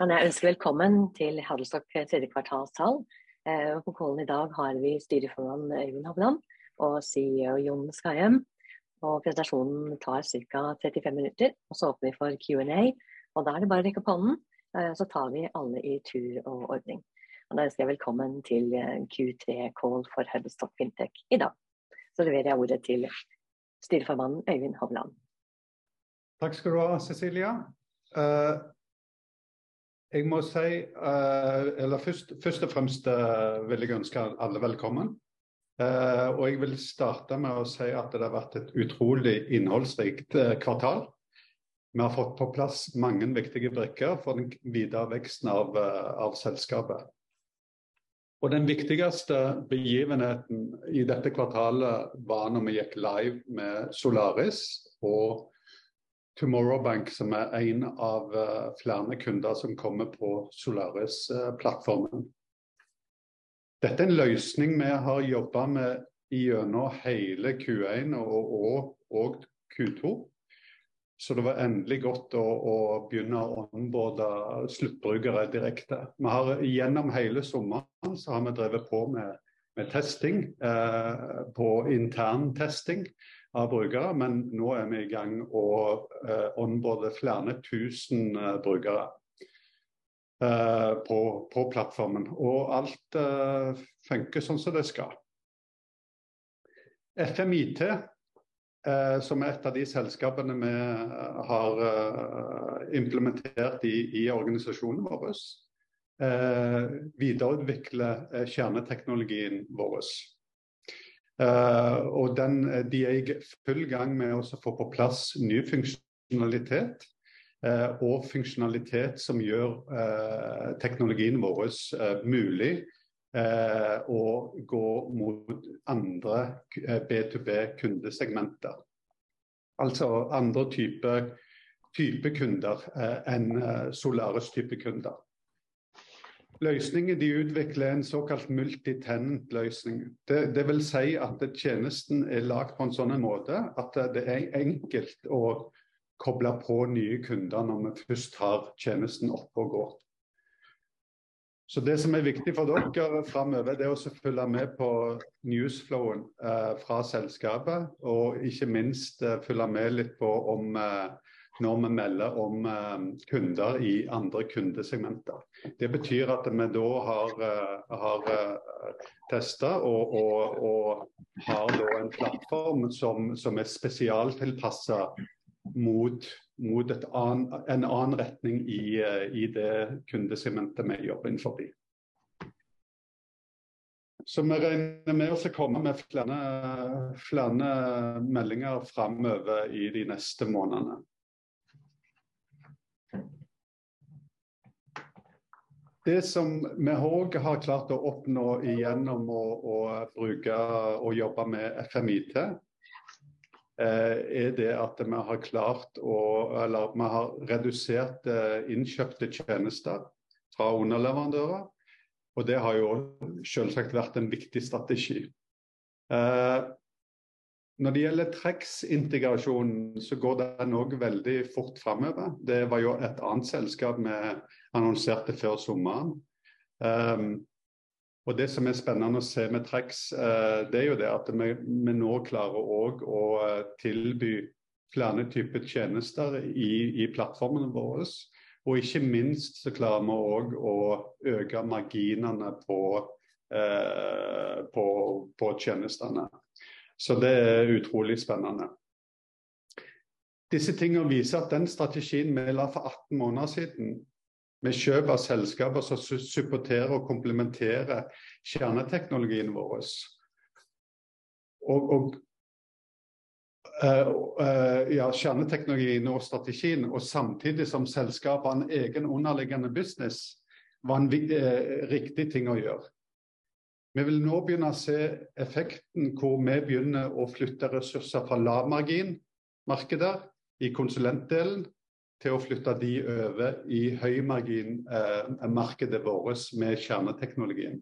Kan jeg ønske velkommen til Huddlestock tredje kvartalstall. På callen i dag har vi styreformann Øyvind Hovland og CEO John E. Skajem. Presentasjonen tar cirka 35 minutter. Åpner vi for Q&A, og da er det bare å rekke opp hånden, så tar vi alle i tur og orden. Ønsker jeg velkommen til Q3 Call for Huddlestock Fintech i dag. Leverer jeg ordet til styreformannen, Øyvind Hovland. Takk skal du ha, Cecilia. Jeg må si, eller først og fremst vil jeg ønske alle velkommen, og jeg vil starte med å si at det har vært et utrolig innholdsrikt kvartal. Vi har fått på plass mange viktige brikker for den videre veksten av selskapet, og den viktigste begivenheten i dette kvartalet var når vi gikk live med Solaris og Tomorrow Bank, som er en av flere kunder som kommer på Solaris plattformen. Dette er en løsning vi har jobbet med gjennom hele Q1 og Q2, så det var endelig godt å begynne å onboarde sluttbrukere direkte. Gjennom hele sommeren har vi drevet på med testing på intern testing av brukere, men nå er vi i gang og onboarde flere tusen brukere på plattformen og alt funker sånn som det skal. F5 IT, som er et av de selskapene vi har implementert i organisasjonen vår, videreutvikler kjerneteknologien vår. De er i full gang med å få på plass ny funksjonalitet, og funksjonalitet som gjør teknologien vår mulig å gå mot andre B2B kundesegmenter. Altså andre typer kunder enn Solaris type kunder. Løsningen de utvikler en såkalt multitenant løsning. Det vil si at tjenesten er laget på en sånn måte at det er enkelt å koble på nye kunder når vi først har tjenesten oppe og går. Det som er viktig for dere framover, det å følge med på newsflowen fra selskapet, og ikke minst følge med litt på om når vi melder om kunder i andre kundesegmenter. Det betyr at vi da har testet og har da en plattform som er spesialtilpasset mot en annen retning i det kundesegmentet vi jobber innenfor B2B. Vi regner med å komme med flere meldinger framover i de neste månedene. Det som vi har klart å oppnå gjennom å bruke og jobbe med F5 IT er det at vi har redusert innkjøpte tjenester fra underleverandører, og det har jo selvsagt vært en viktig strategi. Når det gjelder Tracs integrasjonen så går den også veldig fort framover. Det var jo et annet selskap vi annonserte før sommeren, og det som er spennende å se med Tracs det er jo det at vi nå klarer å tilby flere typer tjenester i plattformen vår. Ikke minst så klarer vi og å øke marginene på tjenestene. Det er utrolig spennende. Disse tingene viser at den strategien vi la for 18 måneder siden med kjøp av selskaper som støtter og komplementerer kjerneteknologien vår. Kjerneteknologien og strategien, og samtidig som selskapene egen underliggende business var en riktig ting å gjøre. Vi vil nå begynne å se effekten hvor vi begynner å flytte ressurser fra lavmargin markeder i konsulentdelen til å flytte de over i høymargin markedet vårt med kjerneteknologien.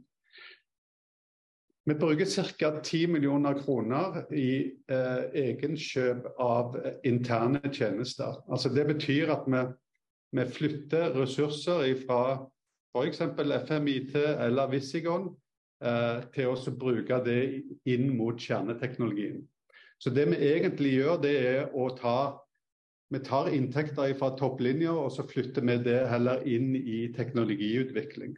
Vi bruker cirka 10 million kroner i egenkjøp av interne tjenester. Altså, det betyr at vi flytter ressurser fra for eksempel F5 IT eller Visigon til også å bruke det inn mot kjerneteknologien. Det vi egentlig gjør er å ta inntekter fra topplinjen, og så flytter vi det heller inn i teknologiutvikling.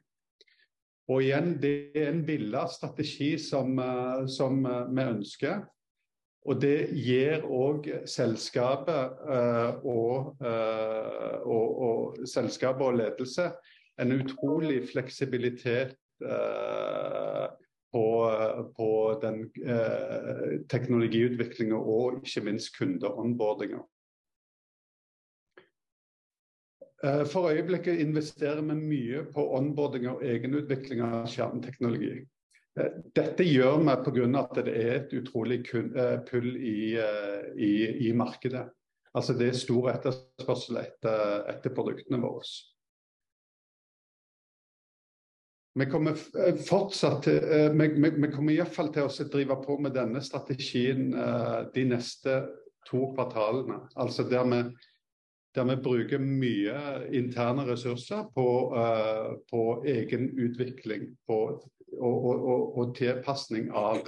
Det er en billigere strategi som vi ønsker, og det gir også selskapet og ledelse en utrolig fleksibilitet på den teknologiutvikling og ikke minst kundeonboarding. For øyeblikket investerer vi mye på onboarding og egenutvikling av kjerneteknologi. Dette gjør vi på grunn av at det er et utrolig pull i markedet. Altså, det er stor etterspørsel etter produktene våres. Vi kommer fortsatt til å drive på med denne strategien de neste 2 kvartalene, altså der vi bruker mye interne ressurser på egen utvikling, på tilpasning av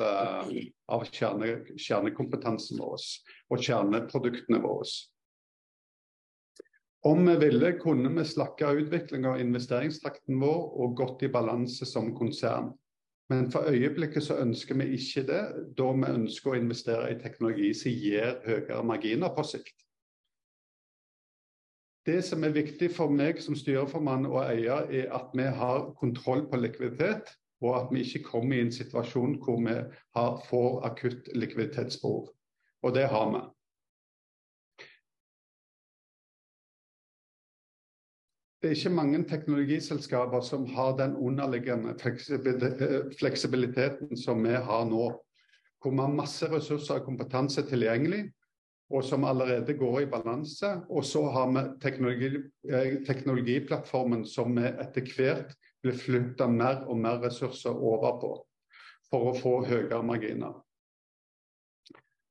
kjernekompetansen våres og kjerneproduktene våres. Om vi ville kunne vi slakket utvikling av investeringstakten vår og gått i balanse som konsern. For øyeblikket så ønsker vi ikke det, da vi ønsker å investere i teknologi som gir høyere marginer på sikt. Det som er viktig for meg som styreformann og eier er at vi har kontroll på likviditet og at vi ikke kommer i en situasjon hvor vi får akutt likviditetsbehov. Det har vi. Det er ikke mange teknologiselskaper som har den underliggende fleksibiliteten som vi har nå, hvor vi har masse ressurser og kompetanse tilgjengelig og som allerede går i balanse. Så har vi teknologi, teknologiplattformen som vi etter hvert vil flytte mer og mer ressurser over på for å få høyere marginer.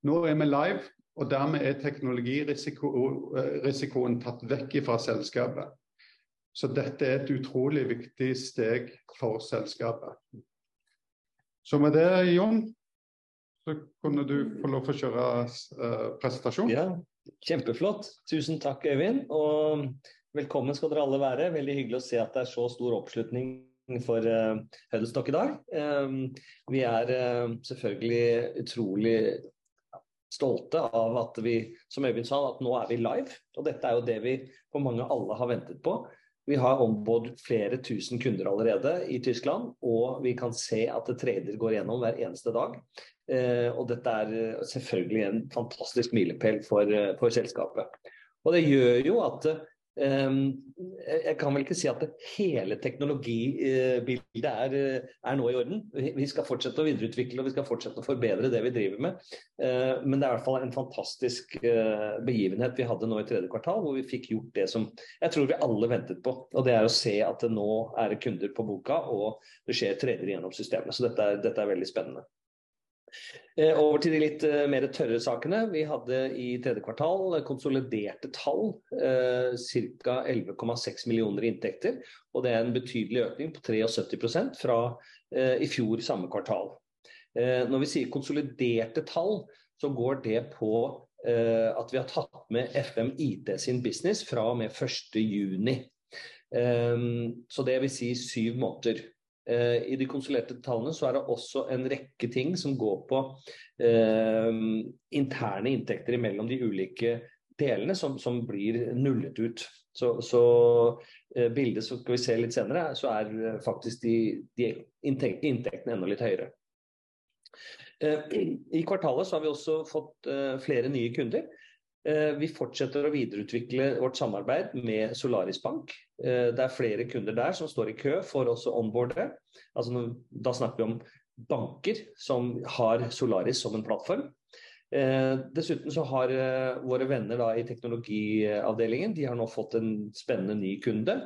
Nå er vi live, og dermed er teknologirisiko og risikoen tatt vekk fra selskapet. Dette er et utrolig viktig steg for selskapet. Med det, John, så kunne du få lov å kjøre presentasjonen. Ja, kjempeflott. Tusen takk, Øyvind, og velkommen skal dere alle være. Veldig hyggelig å se at det er så stor oppslutning for Huddlestock i dag. Vi er selvfølgelig utrolig stolte av at vi som Øyvind sa at nå er vi live. Dette er jo det vi for mange år har ventet på. Vi har ombord flere tusen kunder allerede i Tyskland, og vi kan se at det trader går gjennom hver eneste dag. Dette er selvfølgelig en fantastisk milepæl for selskapet. Det gjør jo at jeg kan vel ikke si at hele teknologibildet er nå i orden. Vi skal fortsette å videreutvikle, og vi skal fortsette å forbedre det vi driver med. Det er i hvert fall en fantastisk begivenhet vi hadde nå i tredje kvartal hvor vi fikk gjort det som jeg tror vi alle ventet på. Det er å se at nå er det kunder på boka, og det skjer trading gjennom systemene, så dette er veldig spennende. Over til de litt mer tørre sakene. Vi hadde i tredje kvartal konsoliderte tall, cirka NOK 11.6 millioner i inntekter, og det er en betydelig økning på 37% fra i fjor samme kvartal. Når vi sier konsoliderte tall, så går det på at vi har tatt med F5 IT sin business fra og med første juni. Så det vil si 7 måneder. I de konsoliderte tallene så er det også en rekke ting som går på interne inntekter mellom de ulike delene som blir nullet ut. Så bildet som vi skal se litt senere så er faktisk de inntektene enda litt høyere. I kvartalet så har vi også fått flere nye kunder. Vi fortsetter å videreutvikle vårt samarbeid med Solaris Bank. Det er flere kunder der som står i kø for også onboarde. Altså, da snakker vi om banker som har Solaris som en plattform. Dessuten så har våre venner da i teknologiavdelingen de har nå fått en spennende ny kunde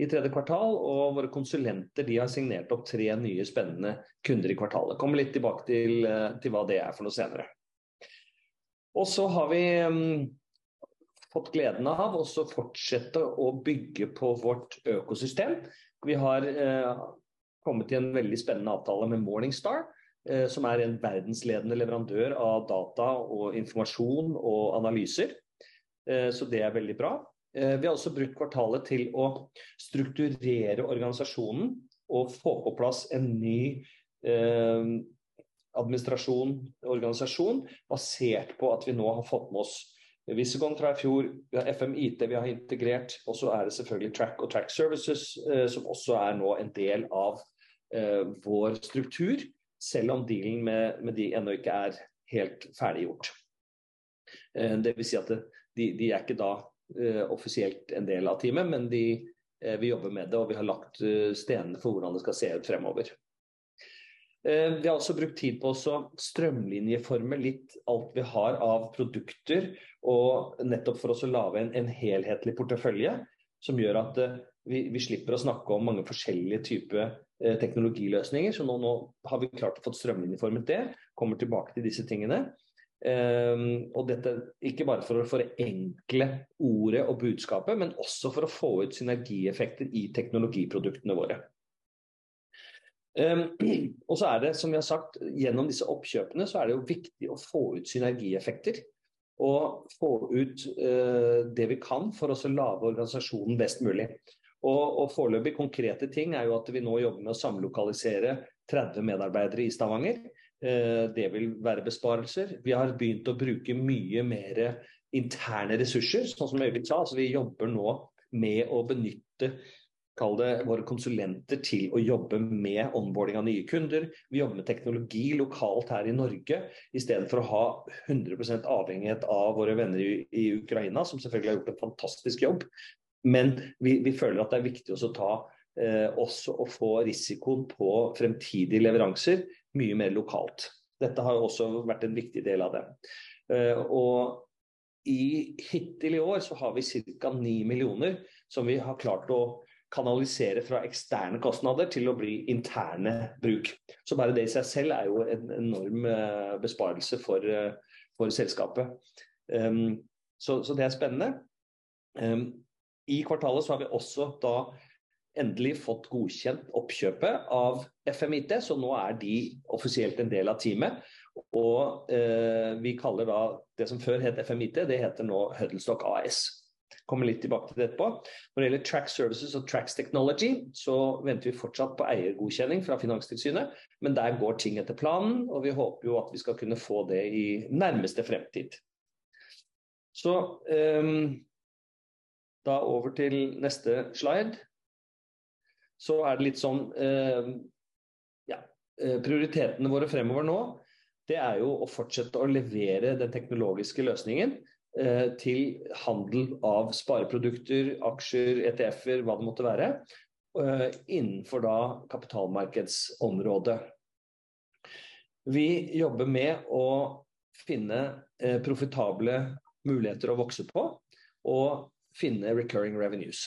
i tredje kvartal, og våre konsulenter de har signert opp tre nye spennende kunder i kvartalet. Kommer litt tilbake til hva det er for noe senere. Vi har fått gleden av å også fortsette å bygge på vårt økosystem. Vi har kommet i en veldig spennende avtale med Morningstar, som er en verdensledende leverandør av data og informasjon og analyser. Så det er veldig bra. Vi har også brukt kvartalet til å strukturere organisasjonen og få på plass en ny administrasjon og organisasjon basert på at vi nå har fått med oss Visigon fra i fjor. Vi har F5 IT, vi har integrert. Det er selvfølgelig Trac og Trac Services som også er nå en del av vår struktur. Selv om dealen med de ennå ikke er helt ferdiggjort. Det vil si at de er ikke da offisielt en del av teamet. Men de vi jobber med det, og vi har lagt stenene for hvordan det skal se ut fremover. Vi har også brukt tid på å strømlinjeforme litt alt vi har av produkter, og nettopp for også å lage en helhetlig portefølje som gjør at vi slipper å snakke om mange forskjellige typer teknologiløsninger. Nå har vi klart å få strømlinjeformet det. Kommer tilbake til disse tingene, og dette ikke bare for å forenkle ordet og budskapet, men også for å få ut synergieffekter i teknologiproduktene våre. Det som jeg har sagt gjennom disse oppkjøpene er det jo viktig å få ut synergieffekter og få ut det vi kan for å lage organisasjonen best mulig. Foreløpig konkrete ting er jo at vi nå jobber med å samlokalisere 30 medarbeidere i Stavanger. Det vil være besparelser. Vi har begynt å bruke mye mer interne ressurser, sånn som Øyvind sa. Vi jobber nå med å benytte, kall det våre konsulenter til å jobbe med onboarding av nye kunder. Vi jobber med teknologi lokalt her i Norge. I stedet for å ha 100% avhengighet av våre venner i Ukraina, som selvfølgelig har gjort en fantastisk jobb. Vi føler at det er viktig å ta også å få risikoen på fremtidige leveranser mye mer lokalt. Dette har også vært en viktig del av det, og hittil i år har vi 9 millioner som vi har klart å kanalisere fra eksterne kostnader til å bli interne bruk. Som bare det i seg selv er jo en enorm besparelse for selskapet, så det er spennende. I kvartalet har vi også da endelig fått godkjent oppkjøpet av F5 IT. Nå er de offisielt en del av teamet, og vi kaller da det som før het F5 IT. Det heter nå Huddlestock AS. Kommer litt tilbake til det etterpå. Når det gjelder Trac Services og Tracs Technology så venter vi fortsatt på eiergodkjenning fra Finanstilsynet, men der går ting etter planen, og vi håper at vi skal kunne få det i nærmeste fremtid. Da over til neste slide. Det er litt sånn prioritetene våre fremover nå. Det er å fortsette å levere den teknologiske løsningen til handel av spareprodukter, aksjer, ETF-er, hva det måtte være. Innenfor da kapitalmarkedsområdet. Vi jobber med å finne profitable muligheter å vokse på og finne recurring revenues.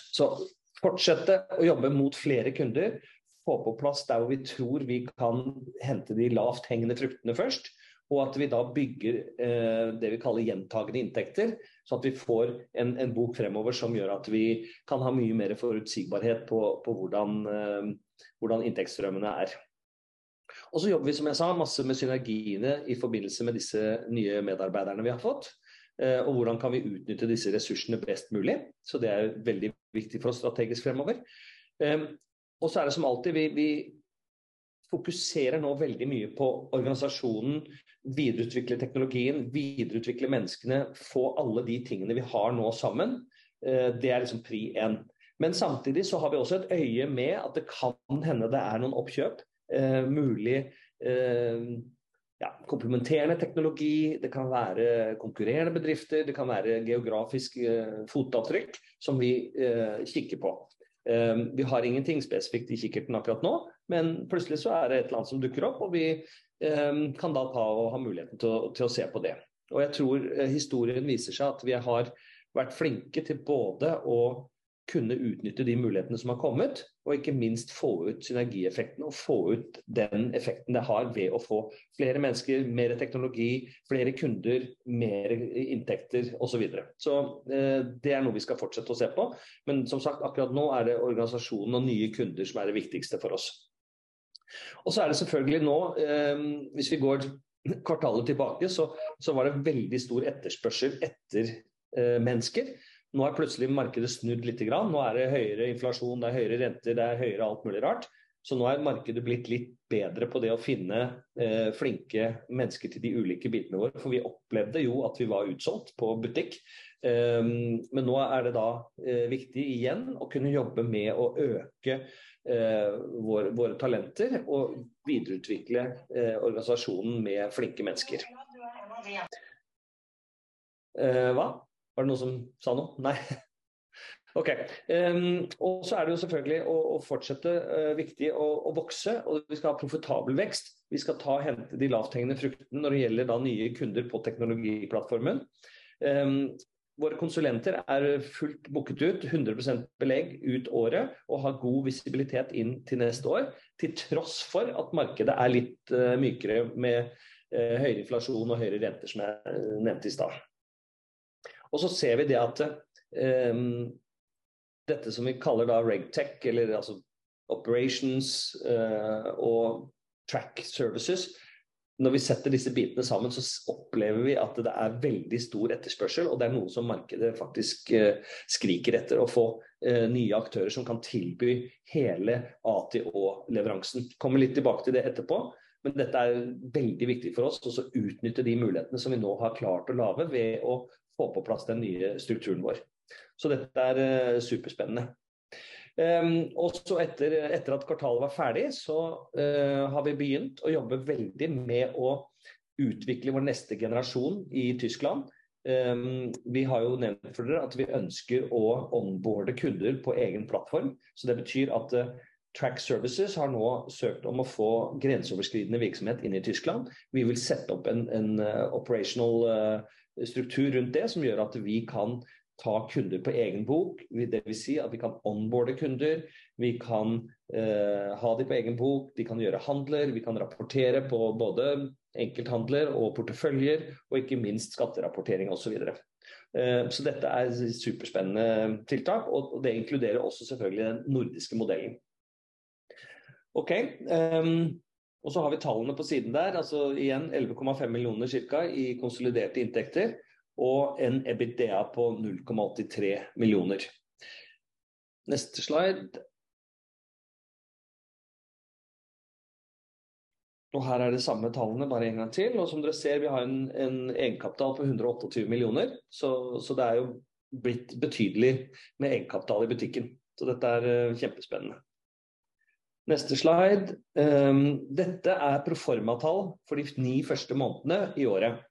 Fortsette å jobbe mot flere kunder. Få på plass der hvor vi tror vi kan hente de lavthengende fruktene først, og at vi da bygger det vi kaller gjentagende inntekter. Sånn at vi får en bok fremover som gjør at vi kan ha mye mer forutsigbarhet på hvordan inntektsstrømmene er. Jobber vi, som jeg sa, masse med synergiene i forbindelse med disse nye medarbeiderne vi har fått. Hvordan kan vi utnytte disse ressursene best mulig. Det er veldig viktig for oss strategisk fremover. Er det som alltid vi fokuserer nå veldig mye på organisasjonen, videreutvikle teknologien, videreutvikle menneskene, få alle de tingene vi har nå sammen. Det er liksom pri en. Samtidig så har vi også et øye med at det kan hende det er noen oppkjøp, mulig, ja, komplementerende teknologi. Det kan være konkurrerende bedrifter. Det kan være geografiske fotavtrykk som vi kikker på. Vi har ingenting spesifikt i kikkerten akkurat nå, men plutselig så er det et eller annet som dukker opp, og vi kan da ta og ha muligheten til å se på det. Jeg tror historien viser seg at vi har vært flinke til både å kunne utnytte de mulighetene som har kommet og ikke minst få ut synergieffekten og få ut den effekten det har ved å få flere mennesker, mer teknologi, flere kunder, mer inntekter og så videre. Det er noe vi skal fortsette å se på. Som sagt, akkurat nå er det organisasjonen og nye kunder som er det viktigste for oss. Det er selvfølgelig nå, hvis vi går kvartalet tilbake, så var det veldig stor etterspørsel etter mennesker. Plutselig markedet snudd littegrann. Det er høyere inflasjon, det er høyere renter, det er høyere alt mulig rart. Markedet blitt litt bedre på det å finne flinke mennesker til de ulike bitene våre. Vi opplevde jo at vi var utsolgt på butikk. Men nå er det da viktig igjen å kunne jobbe med å øke våre talenter og videreutvikle organisasjonen med flinke mennesker. Du er en av de. Hva? Var det noen som sa noe? Nei. Okay. Og så er det jo selvfølgelig å fortsette viktig å vokse. Vi skal ha profitabel vekst. Vi skal ta og hente de lavthengende fruktene når det gjelder nye kunder på teknologiplattformen. Våre konsulenter er fullt booket ut 100% belegg ut året og har god visibilitet inn til neste år. Til tross for at markedet er litt mykere med høyere inflasjon og høyere renter som jeg nevnte i starten. Og så ser vi det at dette som vi kaller RegTech, eller altså Operations, og Trac Services. Når vi setter disse bitene sammen, så opplever vi at det er veldig stor etterspørsel, og det er noe som markedet faktisk skriker etter å få nye aktører som kan tilby hele A til Å leveransen. Kommer litt tilbake til det etterpå, men dette er veldig viktig for oss. Også utnytte de mulighetene som vi nå har klart å lage ved å få på plass den nye strukturen vår. Dette er superspennende. Og så etter at kvartalet var ferdig, har vi begynt å jobbe veldig med å utvikle vår neste generasjon i Tyskland. Vi har jo nevnt for dere at vi ønsker å onboarde kunder på egen plattform, så det betyr at Trac Services har nå søkt om å få grenseoverskridende virksomhet inn i Tyskland. Vi vil sette opp en operational struktur rundt det som gjør at vi kan ta kunder på egen bok. Det vil si at vi kan onboarde kunder, vi kan ha de på egen bok, de kan gjøre handler, vi kan rapportere på både enkelthandler og porteføljer og ikke minst skatterapportering og så videre. Dette er superspennende tiltak, og det inkluderer også selvfølgelig den nordiske modellen. Okay, og så har vi tallene på siden der altså. Igjen 11.5 millioner cirka i konsoliderte inntekter og en EBITDA på 0.83 millioner. Neste slide. Og her er det samme tallene bare en gang til. Og som dere ser, vi har en egenkapital på 128 millioner. Så det er jo blitt betydelig med egenkapital i butikken. Så dette er kjempespennende. Neste slide. Dette er proforma tall for de ni første månedene i året.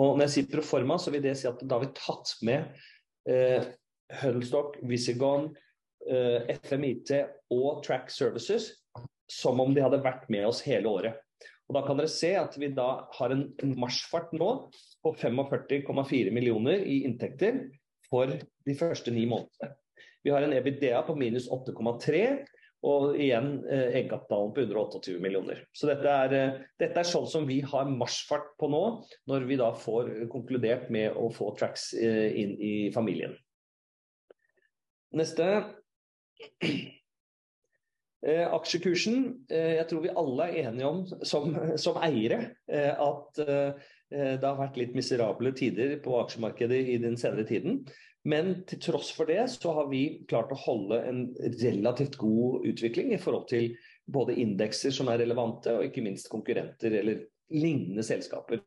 Og når jeg sier proforma så vil det si at da har vi tatt med Huddlestock, Visigon, F5 IT og Trac Services som om de hadde vært med oss hele året. Og da kan dere se at vi da har en marsjfart nå på 45.4 millioner i inntekter for de første ni månedene. Vi har en EBITDA på minus 8.3 millioner og igjen egenkapitalen på 128 millioner. Dette er sånn som vi har marsjfart på nå. Når vi da får konkludert med å få Trac's inn i familien. Neste. Aksjekursen. Jeg tror vi alle er enige om som eiere at det har vært litt miserable tider på aksjemarkedet i den senere tiden. Til tross for det så har vi klart å holde en relativt god utvikling i forhold til både indekser som er relevante og ikke minst konkurrenter eller lignende selskaper.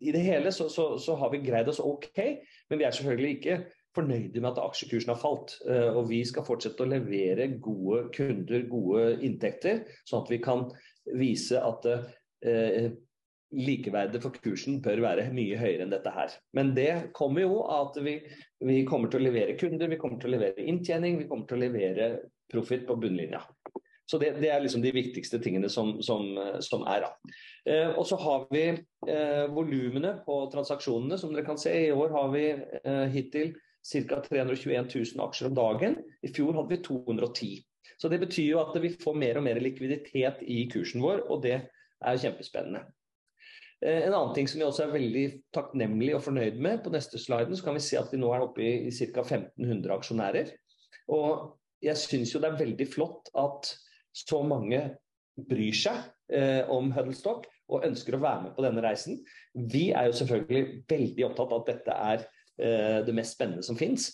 I det hele har vi greid oss okay. Vi er selvfølgelig ikke fornøyde med at aksjekursen har falt, og vi skal fortsette å levere gode kunder gode inntekter, sånn at vi kan vise at likeverdet for kursen bør være mye høyere enn dette her. Det kommer jo av at vi kommer til å levere kunder. Vi kommer til å levere inntjening, vi kommer til å levere profitt på bunnlinjen. Det er liksom de viktigste tingene som er da. Og så har vi volumene på transaksjonene. Som dere kan se i år har vi hittil cirka 321,000 aksjer om dagen. I fjor hadde vi 210. Det betyr jo at vi får mer og mer likviditet i kursen vår, og det er kjempespennende. En annen ting som vi også er veldig takknemlig og fornøyd med på neste sliden så kan vi se at vi nå er oppe i cirka 1,500 aksjonærer. Jeg synes jo det er veldig flott at så mange bryr seg om Huddlestock og ønsker å være med på denne reisen. Vi er jo selvfølgelig veldig opptatt av at dette er det mest spennende som finnes,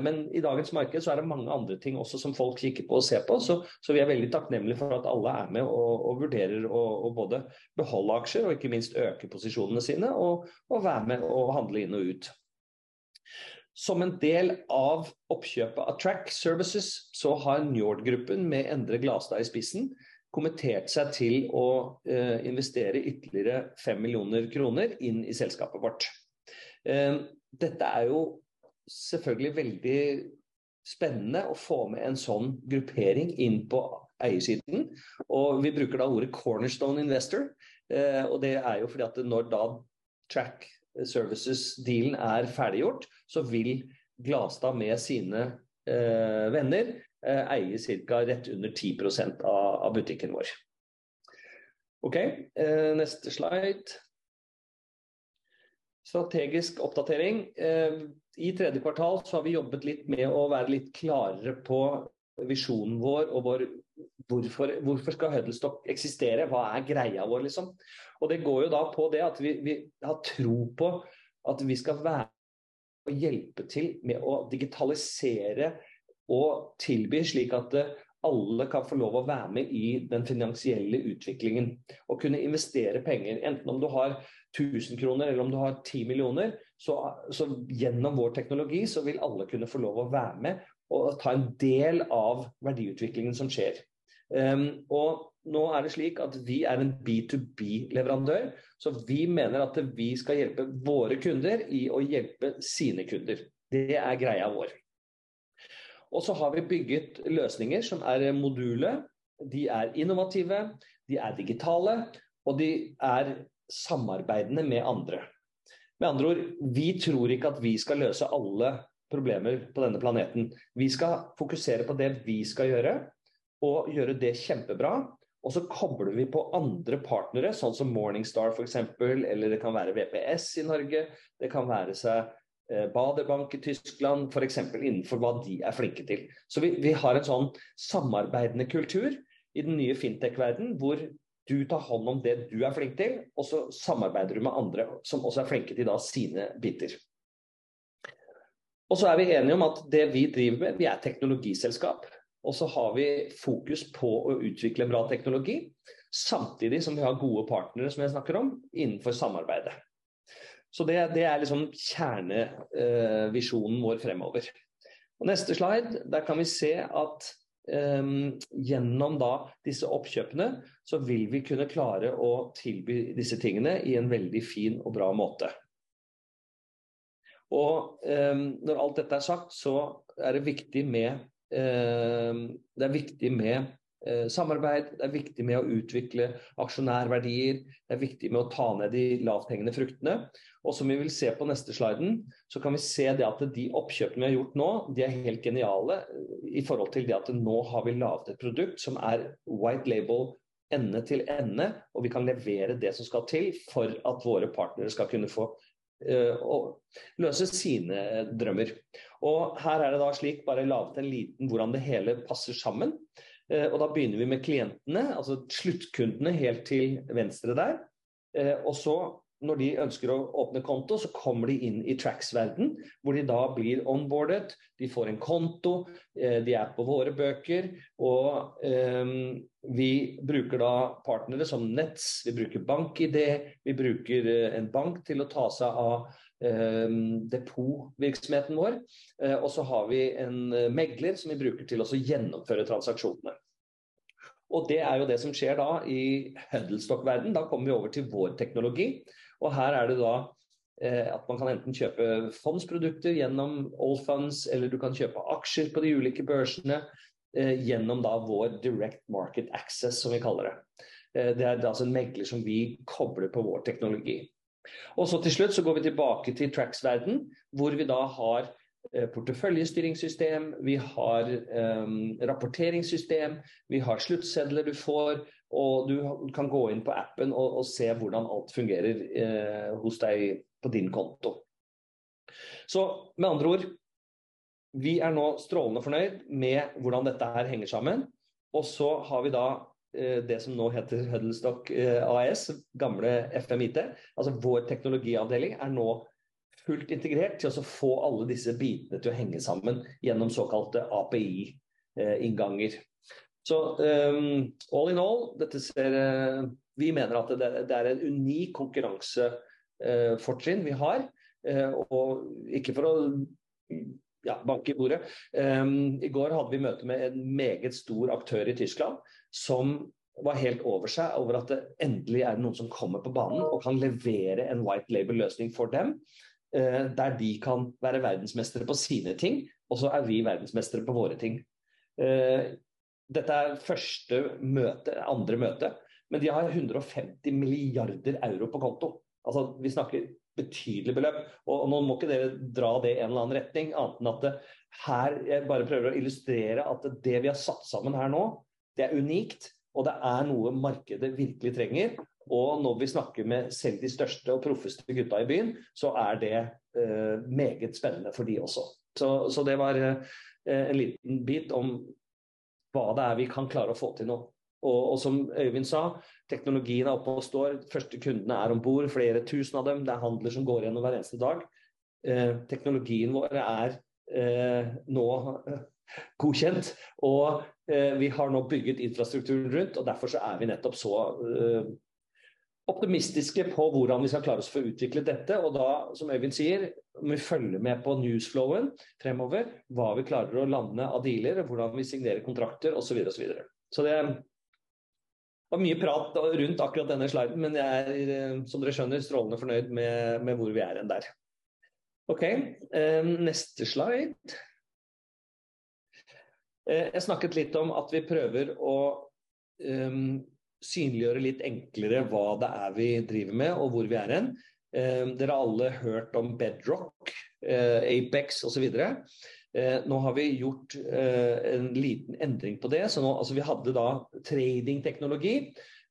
men i dagens marked så er det mange andre ting også som folk kikker på og ser på. Vi er veldig takknemlig for at alle er med og vurderer å både beholde aksjer og ikke minst øke posisjonene sine og å være med og handle inn og ut. Som en del av oppkjøpet av Trac Services så har Njord Gruppen med Endre Glestad i spissen, forpliktet seg til å investere ytterligere NOK 5 million inn i selskapet vårt. Dette er jo selvfølgelig veldig spennende å få med en sånn gruppering inn på eiersiden, og vi bruker da ordet cornerstone investor. Det er jo fordi at når da Trac Services dealen er ferdiggjort, så vil Glestad med sine venner eie cirka rett under 10% av butikken vår. Okay, neste slide. Strategisk oppdatering. I tredje kvartal så har vi jobbet litt med å være litt klarere på visjonen vår og hvorfor skal Huddlestock eksistere? Hva er greia vår liksom? Det går jo da på det at vi har tro på at vi skal være og hjelpe til med å digitalisere og tilby, slik at alle kan få lov å være med i den finansielle utviklingen. Å kunne investere penger, enten om du har 1,000 kroner eller om du har 10 million. Gjennom vår teknologi så vil alle kunne få lov å være med og ta en del av verdiutviklingen som skjer. Nå er det slik at vi er en B2B-leverandør, så vi mener at vi skal hjelpe våre kunder i å hjelpe sine kunder. Det er greia vår. Vi har bygget løsninger som er modulære. De er innovative, de er digitale og de er samarbeidende med andre. Med andre ord, vi tror ikke at vi skal løse alle problemer på denne planeten. Vi skal fokusere på det vi skal gjøre og gjøre det kjempebra. Så kobler vi på andre partnere, sånn som Morningstar for eksempel. Eller det kan være VPS i Norge. Det kan være seg Baader Bank i Tyskland, for eksempel innenfor hva de er flinke til. Vi har en sånn samarbeidende kultur i den nye fintech verden hvor du tar hånd om det du er flink til, og så samarbeider du med andre som også er flinke til sine biter. Vi er enige om at det vi driver med vi er et teknologiselskap, og så har vi fokus på å utvikle bra teknologi, samtidig som vi har gode partnere som jeg snakker om innenfor samarbeidet. Så det er liksom kjernevisjonen vår fremover. Neste slide. Der kan vi se at, gjennom da disse oppkjøpene så vil vi kunne klare å tilby disse tingene i en veldig fin og bra måte. Når alt dette er sagt så er det viktig med samarbeid. Det er viktig med å utvikle aksjonærverdier. Det er viktig med å ta ned de lavthengende fruktene. Som vi vil se på neste sliden, så kan vi se det at de oppkjøpene vi har gjort nå, de er helt geniale i forhold til det at nå har vi laget et produkt som er white label ende til ende, og vi kan levere det som skal til for at våre partnere skal kunne få og løse sine drømmer. Her er det da slik bare laget en liten hvordan det hele passer sammen. Da begynner vi med klientene, altså sluttkundene helt til venstre der. Når de ønsker å åpne konto så kommer de inn i Trac-verdenen hvor de da blir onboardet. De får en konto, de er på våre bøker og, vi bruker da partnere som Nets, vi bruker BankID, vi bruker en bank til å ta seg av, depotvirksomheten vår. Har vi en megler som vi bruker til å gjennomføre transaksjonene. Det er jo det som skjer da i Huddlestock-verdenen. Da kommer vi over til vår teknologi, og her er det da, at man kan enten kjøpe fondsprodukter gjennom Allfunds, eller du kan kjøpe aksjer på de ulike børsene gjennom da vår Direct Market Access som vi kaller det. Det er da altså en megler som vi kobler på vår teknologi. Til slutt så går vi tilbake til Tracs verden hvor vi da har porteføljestyringssystem. Vi har rapporteringssystem, vi har sluttsedler du får, og du kan gå inn på appen og se hvordan alt fungerer hos deg på din konto. Med andre ord, vi er nå strålende fornøyd med hvordan dette her henger sammen. Har vi da det som nå heter Huddlestock AS, gamle F5 IT. Altså vår teknologiavdeling er nå fullt integrert til å få alle disse bitene til å henge sammen gjennom såkalte API innganger. All in all dette ser, vi mener at det er en unik konkurranse fortrinn vi har. Ikke for å, ja bank i bordet. I går hadde vi møte med en meget stor aktør i Tyskland som var helt over seg av at det endelig er noen som kommer på banen og kan levere en white label løsning for dem, der de kan være verdensmestre på sine ting. Vi er verdensmestre på våre ting. Dette er første møtet, andre møtet. De har 150 billion euro på konto. Altså, vi snakker betydelige beløp, og nå må ikke dere dra det i en eller annen retning annet enn at her, jeg bare prøver å illustrere at det vi har satt sammen her nå, det er unikt, og det er noe markedet virkelig trenger. Når vi snakker med selv de største og proffeste gutta i byen, så er det meget spennende for de også. Det var en liten bit om hva det er vi kan klare å få til nå. Som Øyvind sa, teknologien er oppe og står. Første kundene er om bord, flere tusen av dem. Det er handler som går gjennom hver eneste dag. Teknologien våre er nå godkjent, og vi har nå bygget infrastrukturen rundt, og derfor så er vi nettopp så optimistiske på hvordan vi skal klare å få utviklet dette. Da, som Øyvind sier, må vi følge med på news flowen fremover, hva vi klarer å lande av deals, hvordan vi signerer kontrakter og så videre. Det var mye prat rundt akkurat denne sliden, men jeg er, som dere skjønner, strålende fornøyd med hvor vi er hen der. Okay, neste slide. Jeg snakket litt om at vi prøver å synliggjøre litt enklere hva det er vi driver med og hvor vi er hen. Dere har alle hørt om Bedrock, Apex og så videre. Nå har vi gjort en liten endring på det. Så nå, altså, vi hadde da trading teknologi.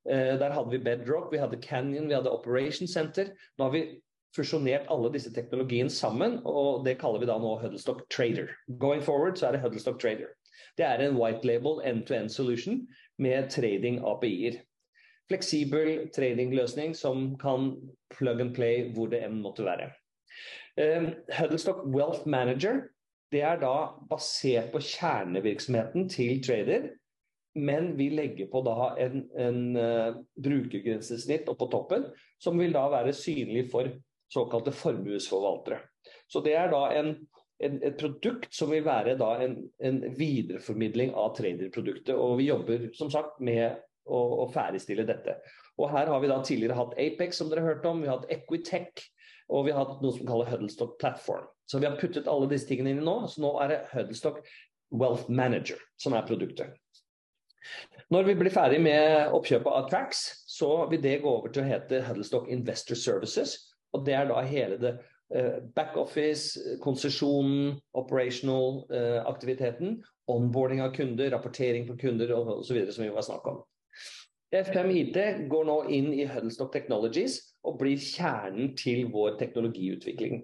Der hadde vi Bedrock, vi hadde Canyon, vi hadde Operation Center. Nå har vi fusjonert alle disse teknologiene sammen, og det kaller vi da nå Huddlestock Trader. Going forward så er det Huddlestock Trader. Det er en white label end to end solution med trading APIs. Fleksibel trading løsning som kan plug and play hvor det enn måtte være. Huddlestock Wealth Manager. Det er da basert på kjernevirksomheten til Trader, men vi legger på da en brukergrensesnitt opp på toppen som vil da være synlig for såkalte formuesforvaltere. Det er da et produkt som vil være da en videreformidling av traderproduktet, og vi jobber som sagt med å ferdigstille dette. Her har vi da tidligere hatt Apex som dere har hørt om. Vi har hatt Equitech og vi har hatt noe som kalles Huddlestock Platform, så vi har puttet alle disse tingene inn i det nå. Nå er det Huddlestock Wealth Manager som er produktet. Når vi blir ferdig med oppkjøpet av Tracs så vil det gå over til å hete Huddlestock Investor Services. Det er da hele det backoffice konsesjonen, operational aktiviteten, onboarding av kunder, rapportering fra kunder og så videre som vi var snakk om. F5 IT går nå inn i Huddlestock Technologies og blir kjernen til vår teknologiutvikling.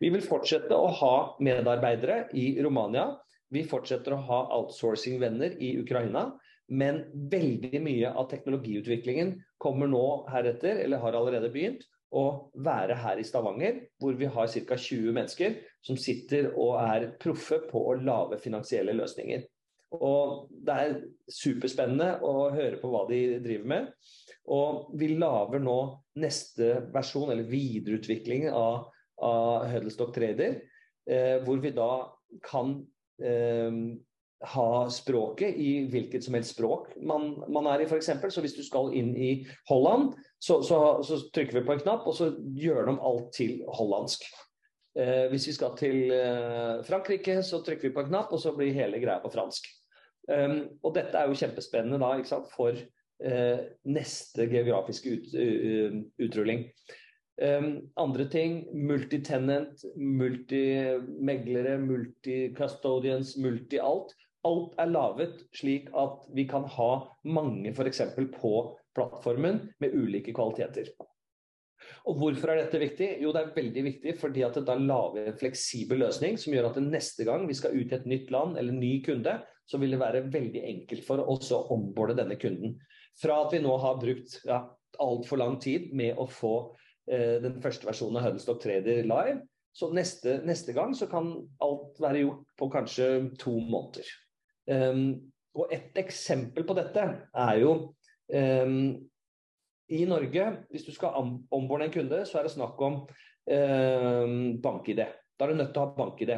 Vi vil fortsette å ha medarbeidere i Romania. Vi fortsetter å ha outsourcing venner i Ukraina, men veldig mye av teknologiutviklingen kommer nå heretter eller har allerede begynt å være her i Stavanger, hvor vi har cirka 20 mennesker som sitter og er proffe på å lage finansielle løsninger. Det er superspennende å høre på hva de driver med. Vi lager nå neste versjon eller videreutvikling av Huddlestock Trader, hvor vi da kan ha språket i hvilket som helst språk man er i for eksempel. Hvis du skal inn i Holland så trykker vi på en knapp og så gjør de om alt til hollandsk. Hvis vi skal til Frankrike, så trykker vi på en knapp og så blir hele greia på fransk. Dette er jo kjempespennende da ikke sant for neste geografiske utrulling. Andre ting. Multitenant, multi meglere, multi custodians, multi alt. Alt er laget slik at vi kan ha mange, for eksempel på plattformen med ulike kvaliteter. Hvorfor er dette viktig? Jo, det er veldig viktig fordi at det å lage en fleksibel løsning som gjør at neste gang vi skal ut i et nytt land eller ny kunde, så vil det være veldig enkelt for å også onboarde denne kunden. Fra at vi nå har brukt altfor lang tid med å få den første versjonen av Huddlestock Trader live. Så neste gang så kan alt være gjort på kanskje 2 måneder. Og et eksempel på dette er jo, i Norge. Hvis du skal onboarde en kunde så er det snakk om, BankID. Da er du nødt til å ha BankID.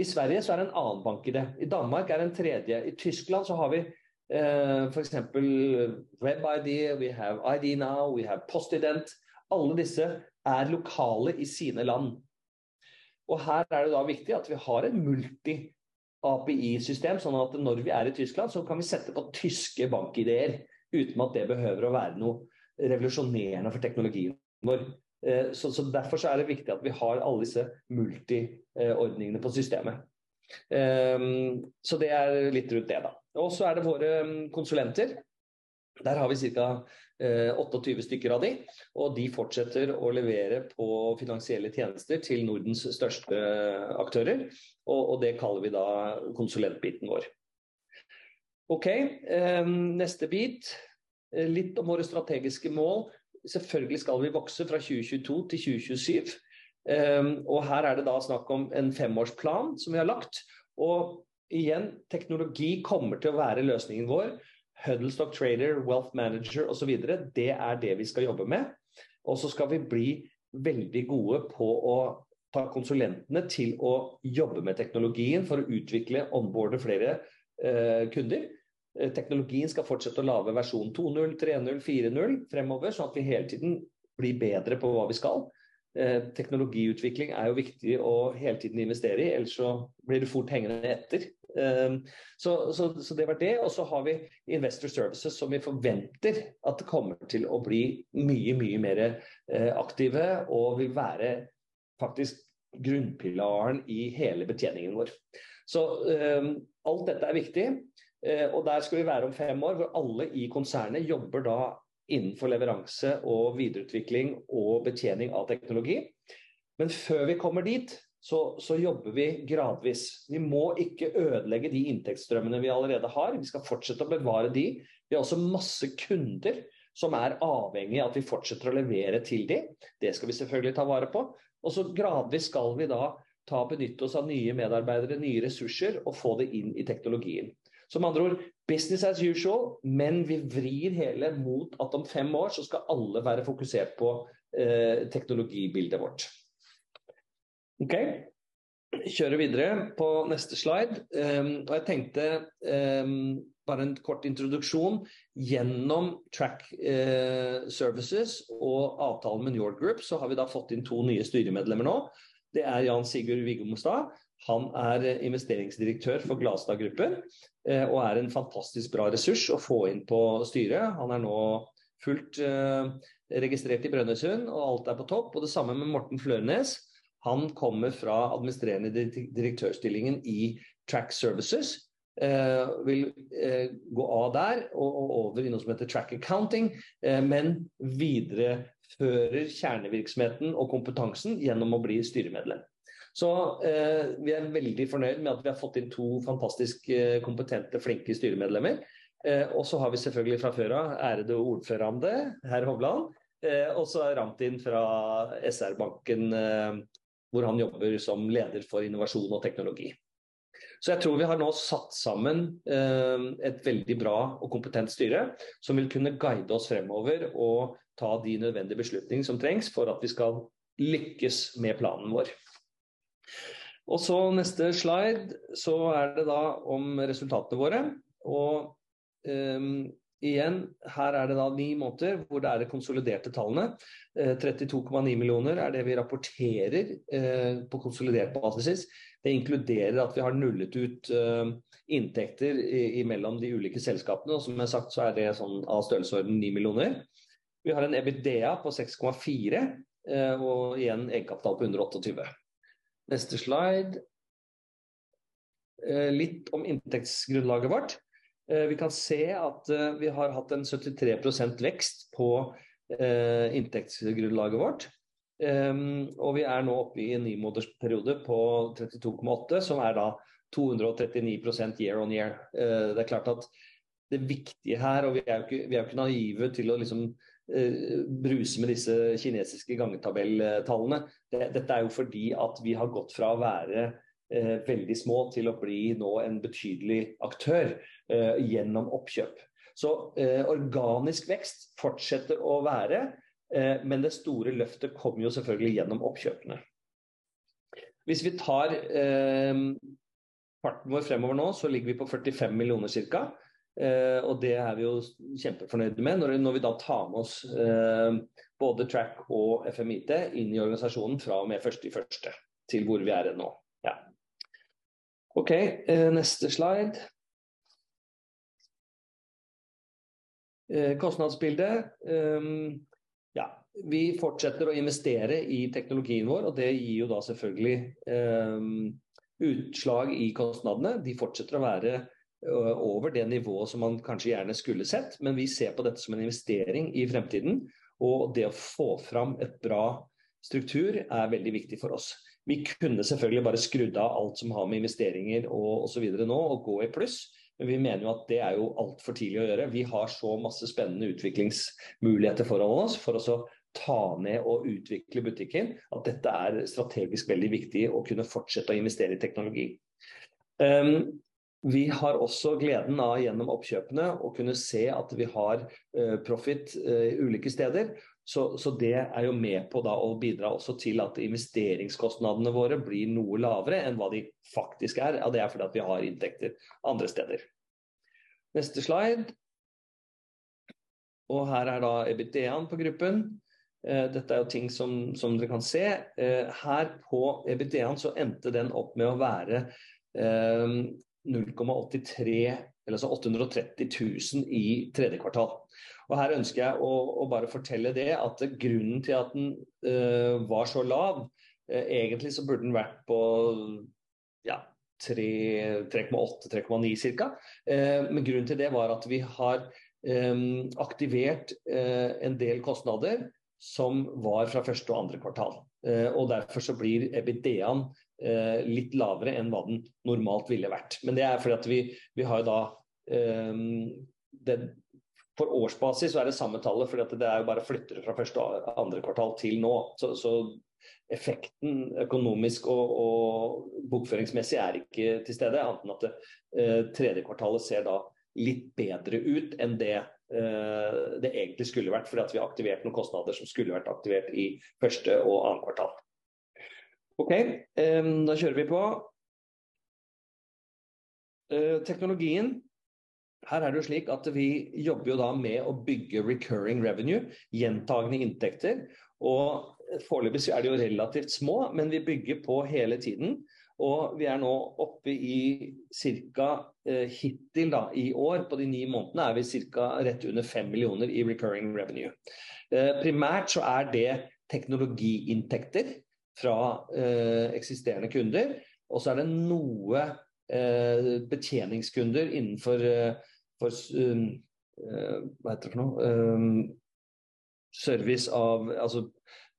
I Sverige så er det en annen BankID. I Danmark er det en tredje. In Germany, we have, for example, WebID, we have IDnow, we have Postident. All these are local in their countries, and here it is important that we have a multi-API system so that when we are in Germany we can add German BankIDs without it needing to be anything revolutionary for our technology. Therefore, it is important that we have all these multi arrangements on the system. That is a bit around that. Our consultants. We have approximately 28 of them, and they continue to deliver on financial services to the Nordics' largest players. We call that our consulting part. Okay, next bit. A bit about our strategic goals. Selvfølgelig skal vi vokse fra 2022 til 2027, og her er det da snakk om en femårsplan som vi har lagt. Teknologi kommer til å være løsningen vår. Huddlestock Trader, Wealth Manager og så videre. Det er det vi skal jobbe med. Skal vi bli veldig gode på å ta konsulentene til å jobbe med teknologien for å utvikle onboarde flere kunder. Teknologien skal fortsette å lage versjon 2.0, 3.0, 4.0 fremover, sånn at vi hele tiden blir bedre på hva vi skal. Teknologiutvikling er jo viktig og hele tiden investere i, ellers så blir du fort hengende etter. Så det var det. Har vi Investor Services som vi forventer at det kommer til å bli mye mer aktive og vil være faktisk grunnpilaren i hele betjeningen vår. Alt dette er viktig, og der skal vi være om 5 år hvor alle i konsernet jobber da innenfor leveranse og videreutvikling og betjening av teknologi. Før vi kommer dit så jobber vi gradvis. Vi må ikke ødelegge dem inntektsstrømmene vi allerede har. Vi skal fortsette å bevare dem. Vi har også masse kunder som er avhengige av at vi fortsetter å levere til dem. Det skal vi selvfølgelig ta vare på. Gradvis skal vi da ta og benytte oss av nye medarbeidere, nye ressurser og få det inn i teknologien. Med andre ord business as usual. Vi vrir hele mot at om 5 år så skal alle være fokusert på teknologibildet vårt. Okay, vi kjører videre på neste slide. Jeg tenkte bare en kort introduksjon gjennom Trac Services og avtalen med Njord Group. Vi har da fått inn to nye styremedlemmer nå. Det er Jan Sigurd Vigmostad. Han er investeringsdirektør for Glastad Gruppen og er en fantastisk bra ressurs å få inn på styret. Han er nå fullt registrert i Brønnøysund og alt er på topp. Det samme med Morten Flørenæss. Han kommer fra administrerende direktørstillingen i Trac Services, vil gå av der og over i noe som heter Track Accounting, men viderefører kjernevirksomheten og kompetansen gjennom å bli styremedlem. Vi er veldig fornøyd med at vi har fått inn to fantastisk kompetente, flinke styremedlemmer. Vi har selvfølgelig fra før av ærede ordfører Øyvind Hovland. Ramtin fra SpareBank 1 SR-Bank hvor han jobber som leder for innovasjon og teknologi. Jeg tror vi har nå satt sammen et veldig bra og kompetent styre som vil kunne guide oss fremover og ta de nødvendige beslutninger som trengs for at vi skal lykkes med planen vår. Neste slide. Det er da om resultatene våre. Igjen, her er det da ni måneder hvor det er det konsoliderte tallene. Trettito komma ni millioner er det vi rapporterer på konsolidert basis. Det inkluderer at vi har nullet ut inntekter i mellom de ulike selskapene. Som jeg sagt så er det sånn av størrelsesorden ni millioner. Vi har en EBITDA på seks komma fire og igjen egenkapital på hundre og åtte og tyve. Neste slide. Litt om inntektsgrunnlaget vårt. Vi kan se at vi har hatt en 73% vekst på inntektsgrunnlaget vårt, og vi er nå oppe i en 9-måneders periode på 32.8, som er da 239% year-over-year. Det er klart at det viktige her og vi er jo ikke naive til å liksom bruse med disse kinesiske gangetabelltallene. Dette er jo fordi at vi har gått fra å være veldig små til å bli nå en betydelig aktør gjennom oppkjøp. Organisk vekst fortsetter å være, men det store løftet kom jo selvfølgelig gjennom oppkjøpene. Hvis vi tar kvartalen vår fremover nå, så ligger vi på 45 millioner cirka, og det er vi jo kjempefornøyd med. Når vi da tar med oss både Tracs og F5 IT inn i organisasjonen fra og med første til hvor vi er nå. Ja. Okay, neste slide. Kostnadsbilde. Vi fortsetter å investere i teknologien vår, og det gir jo da selvfølgelig utslag i kostnadene. De fortsetter å være over det nivået som man kanskje gjerne skulle sett. Vi ser på dette som en investering i fremtiden, og det å få fram en bra struktur er veldig viktig for oss. Vi kunne selvfølgelig bare skruet av alt som har med investeringer og så videre nå og gå i pluss, men vi mener at det er jo altfor tidlig å gjøre. Vi har så masse spennende utviklingsmuligheter foran oss for også å ta ned og utvikle butikken, at dette er strategisk veldig viktig å kunne fortsette å investere i teknologi. Vi har også gleden av gjennom oppkjøpene å kunne se at vi har profitt ulike steder. Det er jo med på det å bidra også til at investeringskostnadene våre blir noe lavere enn hva de faktisk er. Det er fordi at vi har inntekter andre steder. Neste slide. Her er da EBITDA på gruppen. Dette er jo ting som dere kan se. Her på EBITDAen så endte den opp med å være 0.83 eller så 830 tusen i tredje kvartal. Her ønsker jeg å bare fortelle at grunnen til at den var så lav, egentlig så burde den vært på 3.8-3.9 cirka. Grunnen til det var at vi har aktivert en del kostnader som var fra første og andre kvartal. Derfor så blir EBITDA-en litt lavere enn hva den normalt ville vært. Det er fordi at vi har jo den for årsbasis så er det samme tallet fordi at det er jo bare flytting fra første og andre kvartal til nå. Effekten økonomisk og bokføringsmessig er ikke til stede, annet enn at tredje kvartalet ser da litt bedre ut enn det det egentlig skulle vært fordi at vi har aktivert noen kostnader som skulle vært aktivert i første og andre kvartal. Okay, da kjører vi på. Teknologien. Her er det jo slik at vi jobber jo da med å bygge recurring revenue. Gjentagende inntekter, og foreløpig så er de jo relativt små, men vi bygger på hele tiden, og vi er nå oppe i cirka hittil da i år. På de 9 månedene er vi cirka rett under 5 million i recurring revenue. Primært så er det teknologiinntekter fra eksisterende kunder, og så er det noe betjeningskunder innenfor service av, altså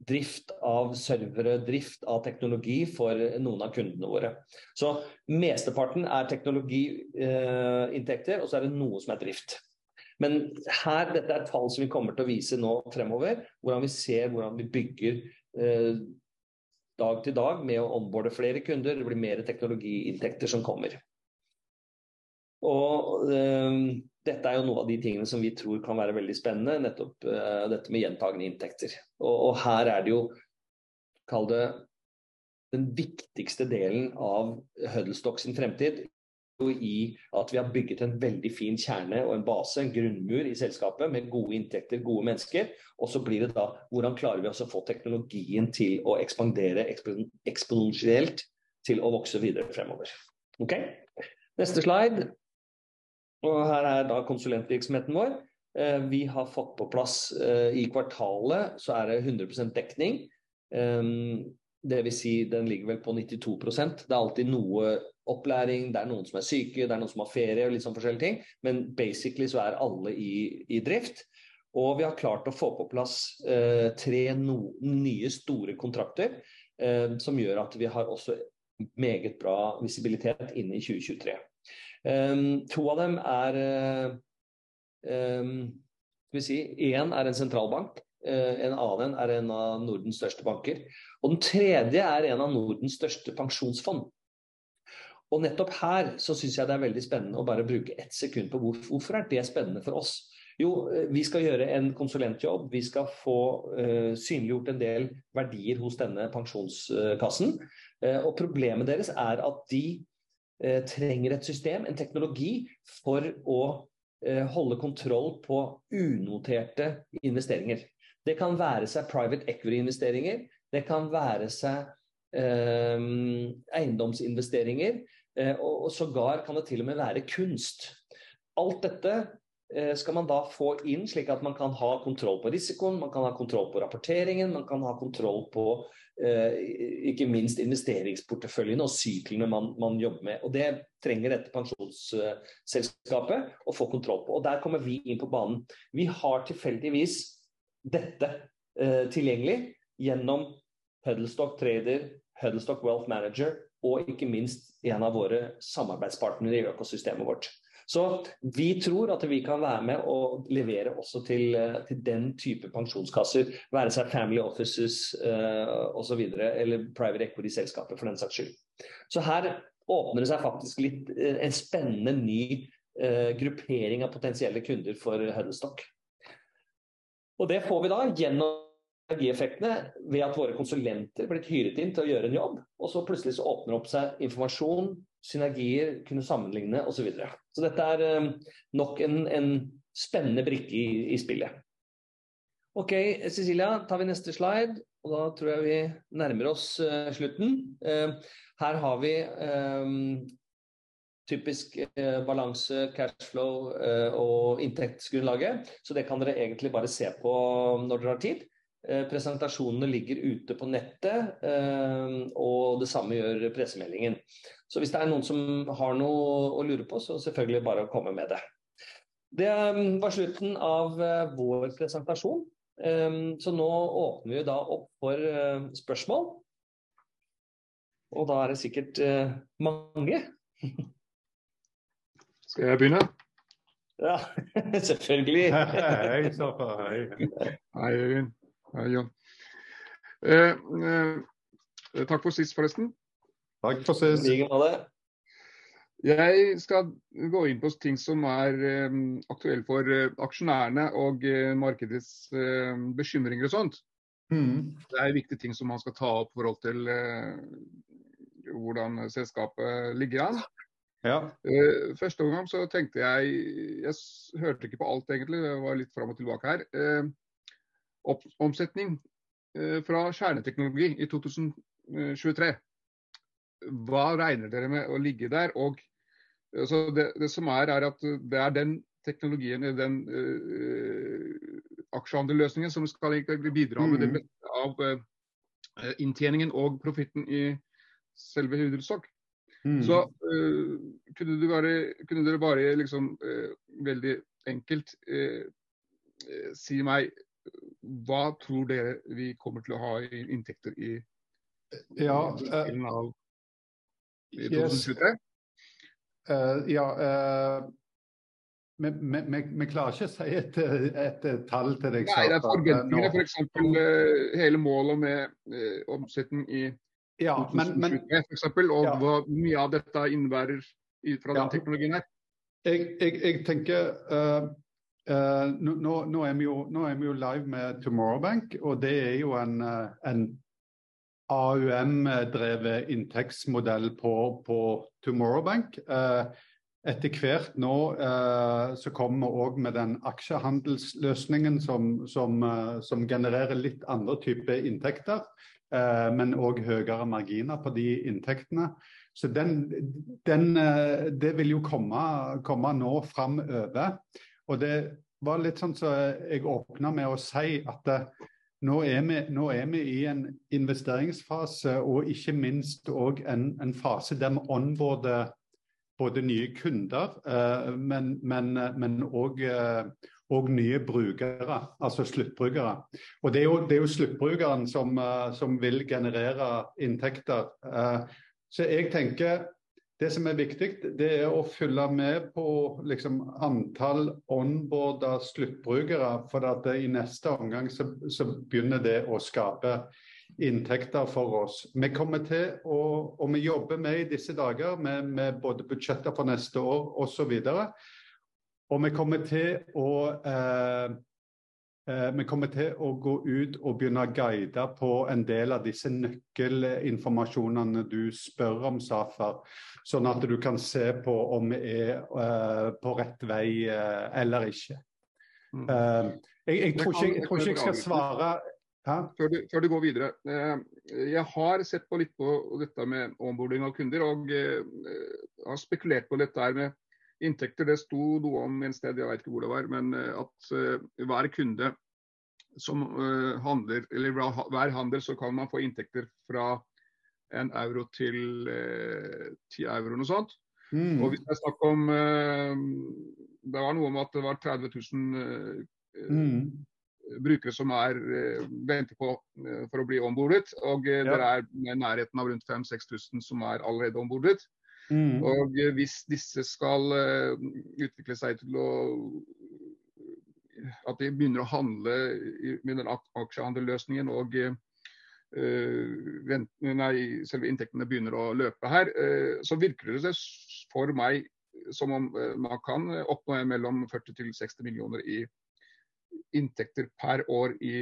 drift av servere. Drift av teknologi for noen av kundene våre. Så mesteparten er teknologiinntekter, og så er det noe som er drift. Men her, dette er tall som vi kommer til å vise nå fremover, hvordan vi ser vi bygger dag til dag med å onboarde flere kunder. Det blir mer teknologiinntekter som kommer. Dette er jo noen av de tingene som vi tror kan være veldig spennende. Nettopp dette med gjentagende inntekter. Her er det jo, kall det den viktigste delen av Huddlestock sin fremtid. I at vi har bygget en veldig fin kjerne og en base, en grunnmur i selskapet med gode inntekter, gode mennesker. Så blir det da, hvordan klarer vi også å få teknologien til å ekspandere eksponensielt til å vokse videre fremover? Okay, neste slide. Her er da konsulentvirksomheten vår. Vi har fått på plass i kvartalet så er det 100% dekning. Det vil si den ligger vel på 92%. Det er alltid noe opplæring. Det er noen som er syke, det er noen som har ferie og litt sånn forskjellige ting. Men basically så er alle i drift, og vi har klart å få på plass, 3 nye store kontrakter, som gjør at vi har også meget bra visibilitet inn i 2023. To av dem er, skal vi si, en er en sentralbank. En annen en er en av Nordens største banker, og den tredje er en av Nordens største pensjonsfond. Netopp her så synes jeg det er veldig spennende å bare bruke ett sekund på hvorfor er det spennende for oss? Jo, vi skal gjøre en konsulentjobb. Vi skal få synliggjort en del verdier hos denne pensjonskassen. Og problemet deres er at de trenger et system, en teknologi for å holde kontroll på unoterte investeringer. Det kan være seg private equity investeringer. Det kan være seg eiendomsinvesteringer, og sågar kan det til og med være kunst. Alt dette skal man da få inn slik at man kan ha kontroll på risikoen. Man kan ha kontroll på rapporteringen. Man kan ha kontroll på, ikke minst investeringsporteføljen og syklene man jobber med. Det trenger dette pensjonsselskapet å få kontroll på, og der kommer vi inn på banen. Vi har tilfeldigvis dette, tilgjengelig gjennom Huddlestock Trader, Huddlestock Wealth Manager og ikke minst en av våre samarbeidspartnere i økosystemet vårt. Vi tror at vi kan være med å levere også til den type pensjonskasser, være seg family offices, og så videre, eller private equity selskaper for den saks skyld. Her åpner det seg faktisk litt en spennende ny gruppering av potensielle kunder for Huddlestock. Det får vi da gjennom synergieffektene ved at våre konsulenter har blitt hyret inn til å gjøre en jobb. Så plutselig så åpner det opp seg informasjon, synergier kunne sammenligne og så videre. Dette er nok en spennende brikke i spillet. Okay, Cecilia tar vi neste slide, og da tror jeg vi nærmer oss slutten. Her har vi, typisk balanse, cash flow og inntektsgrunnlaget. Det kan dere egentlig bare se på når dere har tid. Presentasjonene ligger ute på nettet, og det samme gjør pressemeldingen. Hvis det er noen som har noe å lure på, så selvfølgelig bare å komme med det. Det var slutten av vår presentasjon, så nå åpner vi opp for spørsmål. Da er det sikkert mange. Skal jeg begynne? Ja, selvfølgelig. Hei Safa. Hei. Hei Øyvind. Hei John. Takk for sist forresten. Takk for sist. Jeg skal gå inn på ting som er aktuelle for aksjonærene og markedets bekymringer og sånt. Mhm. Det er jo viktige ting som man skal ta opp i forhold til hvordan selskapet ligger an. Ja. I første omgang tenkte jeg hørte ikke på alt egentlig. Det var litt fram og tilbake her. Omsetning fra kjerneteknologi i 2023. Hva regner dere med å ligge der? Og så det som er at det er den teknologien i den aksjehandlerløsningen som skal bidra med det meste av inntjeningen og profitten i selve Huddlestock. Så kunne du bare kunne dere bare liksom veldig enkelt si meg, hva tror dere vi kommer til å ha i inntekter i 2023? Ja. Vi klarer ikke å si et tall til deg Safer. For eksempel hele målet med omsetning i 2023 for eksempel, og hvor mye av dette innebærer fra den teknologien her. Jeg tenker nå er vi jo live med Tomorrow Bank, og det er jo en AUM drevet inntektsmodell på Tomorrow Bank. Etter hvert nå så kommer vi med den aksjehandelsløsningen som genererer litt andre typer inntekter, men også høyere marginer på de inntektene. Det vil jo komme nå framover. Det var litt sånn jeg åpnet med å si at nå er vi i en investeringsfase og ikke minst en fase der vi onboards både nye kunder men og nye brukere, altså sluttbrukere. Det er jo sluttbrukeren som vil generere inntekter. Jeg tenker det som er viktig, det er å følge med på liksom antall onboard av sluttbrukere. Fordi at i neste omgang så begynner det å skape inntekter for oss. Vi kommer til å, og vi jobber med i disse dager med både budsjetter for neste år og så videre, og vi kommer til å gå ut og begynne å guide på en del av disse nøkkelinformasjonene du spør om, Safer, sånn at du kan se på om vi er på rett vei eller ikke. Jeg tror ikke jeg skal svare. Hæ? Før du går videre. Jeg har sett litt på dette med omboarding av kunder, og har spekulert på dette her med inntekter. Det sto noe om et sted, jeg vet ikke hvor det var, men at hver kunde som handler eller hver handel så kan man få inntekter fra EUR 1 til EUR 10 noe sånt. Mm. Hvis det er snakk om det var noe om at det var 30,000 brukere som er venter på for å bli ombordet, og det er i nærheten av rundt 5-6 tusen som er allerede ombordet. Mm. Hvis disse skal utvikle seg til det at de begynner å handle i aksjehandelsløsningen og inntektene i selve inntektene begynner å løpe her, så virker det for meg som om man kan oppnå 40 million-60 million i inntekter per år i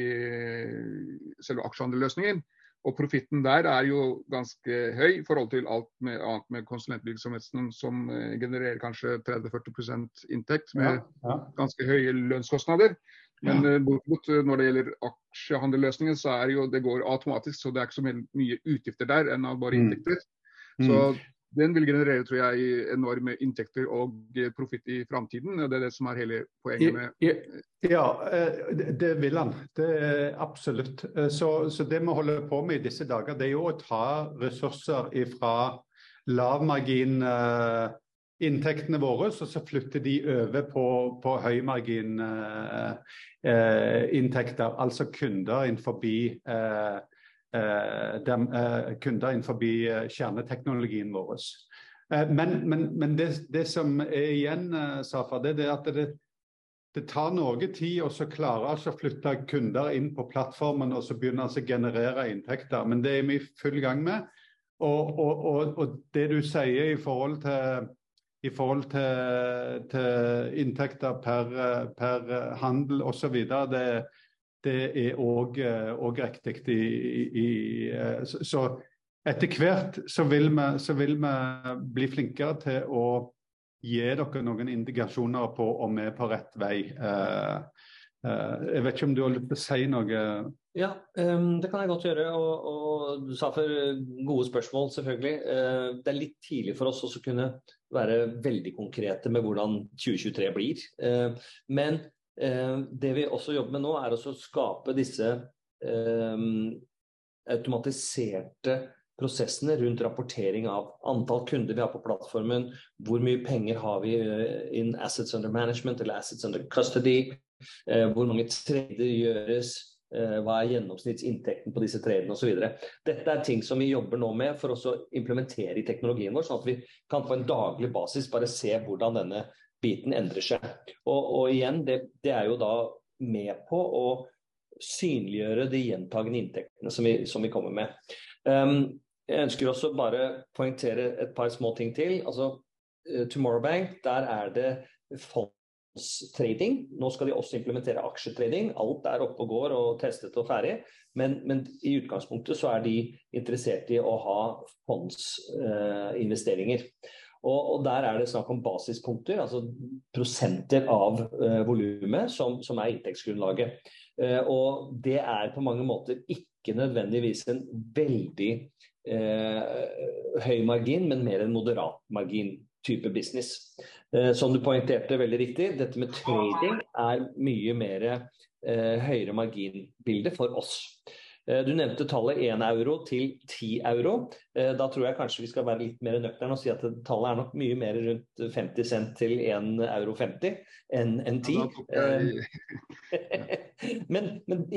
selve aksjehandelsløsningen. Profitten der er jo ganske høy i forhold til alt annet med konsulentvirksomheten som genererer kanskje 30-40% inntekt med ganske høye lønnskostnader. Når det gjelder aksjehandelsløsningen så det går jo automatisk, så det er ikke så mye utgifter der, ennå bare inntekter. Den vil generere tror jeg, enorme inntekter og profitt i framtiden. Det er det som er hele poenget med... Ja, det vil han. Det absolutt. Så det vi holder på med i disse dager, det er jo å ta ressurser ifra lavmargin inntektene våres og så flytte de over på høymargin inntekter. Altså kunder innenfor kjerneteknologien vår. Men det som er igjen Safa, det er det at det tar noe tid å klare å flytte kunder inn på plattformen og så begynne å generere inntekter. Men det er vi i full gang med, og det du sier i forhold til inntekter per handel og så videre, det er riktig. Så etter hvert vil vi bli flinkere til å- Gi dere noen indikasjoner på om vi er på rett vei. Jeg vet ikke om du har lyst til å si noe. Ja, det kan jeg godt gjøre. Du sa før gode spørsmål, selvfølgelig. Det er litt tidlig for oss å kunne være veldig konkrete med hvordan 2023 blir. Det vi også jobber med nå er å skape disse automatiserte prosessene rundt rapportering av antall kunder vi har på plattformen. Hvor mye penger har vi i assets under management eller assets under custody? Hvor mange trader gjøres? Hva er gjennomsnittsinntekten på disse tradene og så videre. Dette er ting som vi jobber nå med for å implementere i teknologien vår, sånn at vi kan på en daglig basis bare se hvordan denne biten endrer seg. Og igjen, det er jo da med på å synliggjøre de gjentagende inntektene som vi kommer med. Jeg ønsker også bare poengtere et par småting til. Altså Tomorrow Bank. Der er det fondstrading. Nå skal de også implementere aksjetrading. Alt er oppe og går og testet og ferdig. I utgangspunktet så er de interessert i å ha fondsinvesteringer, og der er det snakk om basispunkter, altså prosenter av volumet som er inntektsgrunnlaget. Det er på mange måter ikke nødvendigvis en veldig høy margin, men mer en moderat margin type business. Som du poengterte veldig riktig, dette med trading er mye mer høyere margin bilde for oss. Du nevnte tallet 1 euro til 10 euro. Da tror jeg kanskje vi skal være litt mer nøktern og si at tallet er nok mye mer rundt 0.50 til 1.50 euro enn 10. Ja.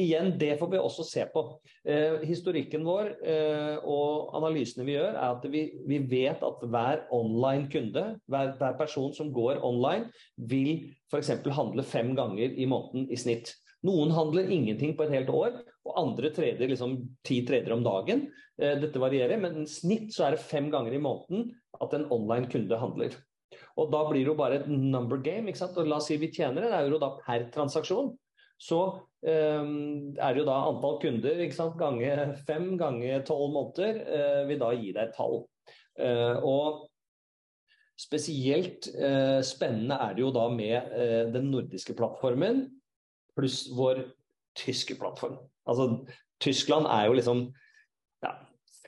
Igjen, det får vi også se på. Historikken vår og analysene vi gjør er at vi vet at hver online kunde, hver person som går online vil for eksempel handle 5 ganger i måneden i snitt. Noen handler ingenting på et helt år, og andre trader liksom 10 trader om dagen. Dette varierer, men i snitt så er det 5 ganger i måneden at en online kunde handler. Da blir det jo bare et number game, ikke sant? La oss si vi tjener EUR 1 da per transaksjon, så er jo da antall kunder ikke sant, gange 5 ganger 12 måneder vil da gi deg et tall. Spesielt spennende er det jo da med den nordiske plattformen pluss vår tyske plattform. Altså Tyskland er jo liksom ja,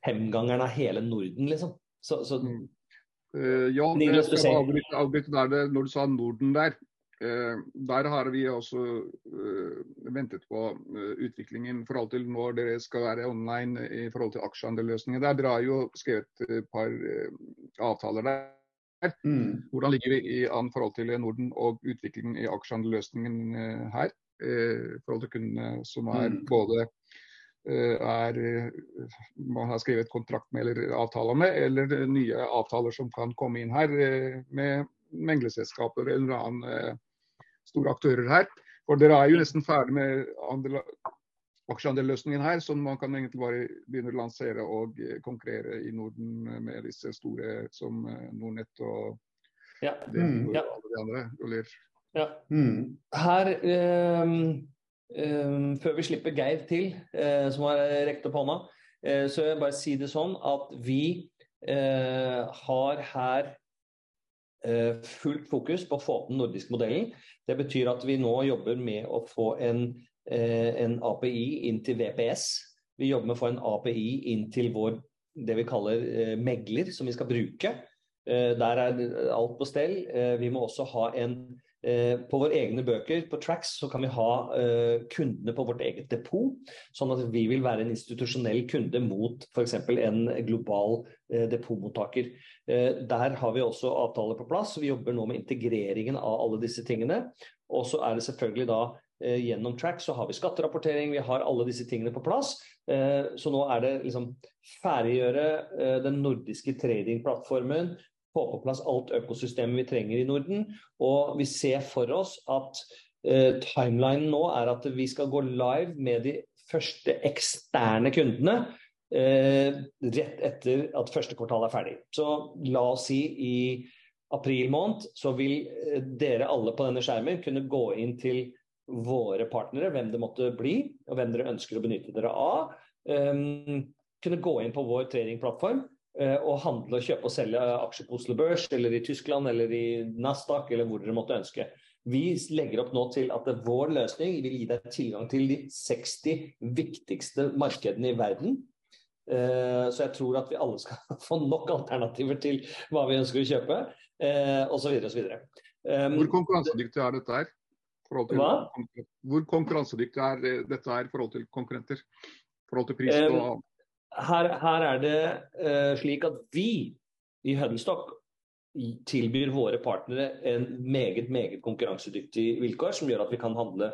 forgjengeren av hele Norden liksom. Så. Ja. Bli litt spennende. Avbryte der det når du sa Norden der. Der har vi også ventet på utviklingen i forhold til når dere skal være online i forhold til aksjehandlerløsningen der. Dere har jo skrevet et par avtaler der. Mhm. Hvordan ligger vi an i forhold til Norden og utviklingen i aksjehandlerløsningen her? I forhold til kunder som er både man har skrevet kontrakt med eller avtaler med, eller nye avtaler som kan komme inn her med meglerselskaper eller noen annen store aktører her. For dere er jo nesten ferdig med alle aksjehandlerløsningen her, så man kan egentlig bare begynne å lansere og konkurrere i Norden med disse store som Nordnet og. Ja, ja. Alle de andre. Avanza. Ja. Mhm. Her, før vi slipper Geir til, som har reist opp hånda, så vil jeg bare si det sånn at vi har her fullt fokus på å få opp den nordiske modellen. Det betyr at vi nå jobber med å få en API inn til VPS. Vi jobber med å få en API inn til vår det vi kaller megler som vi skal bruke. Der er alt på stell. Vi må også ha en på våre egne bøker. På Tracs så kan vi ha kundene på vårt eget depot sånn at vi vil være en institusjonell kunde mot for eksempel en global depotmottaker. Der har vi også avtale på plass, så vi jobber nå med integreringen av alle disse tingene. Så er det selvfølgelig da gjennom Tracs så har vi skatterapportering. Vi har alle disse tingene på plass, så nå er det liksom å ferdiggjøre den nordiske tradingplattformen. Få på plass alt økosystemet vi trenger i Norden, og vi ser for oss at timelinen nå er at vi skal gå live med de første eksterne kundene, rett etter at første kvartal er ferdig. La oss si i april måned, så vil dere alle på denne skjermen kunne gå inn til våre partnere, hvem det måtte bli og hvem dere ønsker å benytte dere av. Kunne gå inn på vår tradingplattform og handle og kjøpe og selge aksjer på Oslo Børs eller i Tyskland eller i Nasdaq eller hvor dere måtte ønske. Vi legger opp nå til at vår løsning vil gi deg tilgang til de 60 viktigste markedene i verden, så jeg tror at vi alle skal få nok alternativer til hva vi ønsker å kjøpe. Og så videre. Hvor konkurransedyktig er dette her i forhold til? Hva? Hvor konkurransedyktig er dette her i forhold til konkurrenter i forhold til pris? Her er det slik at vi i Huddlestock tilbyr våre partnere en meget konkurransedyktig vilkår som gjør at vi kan handle.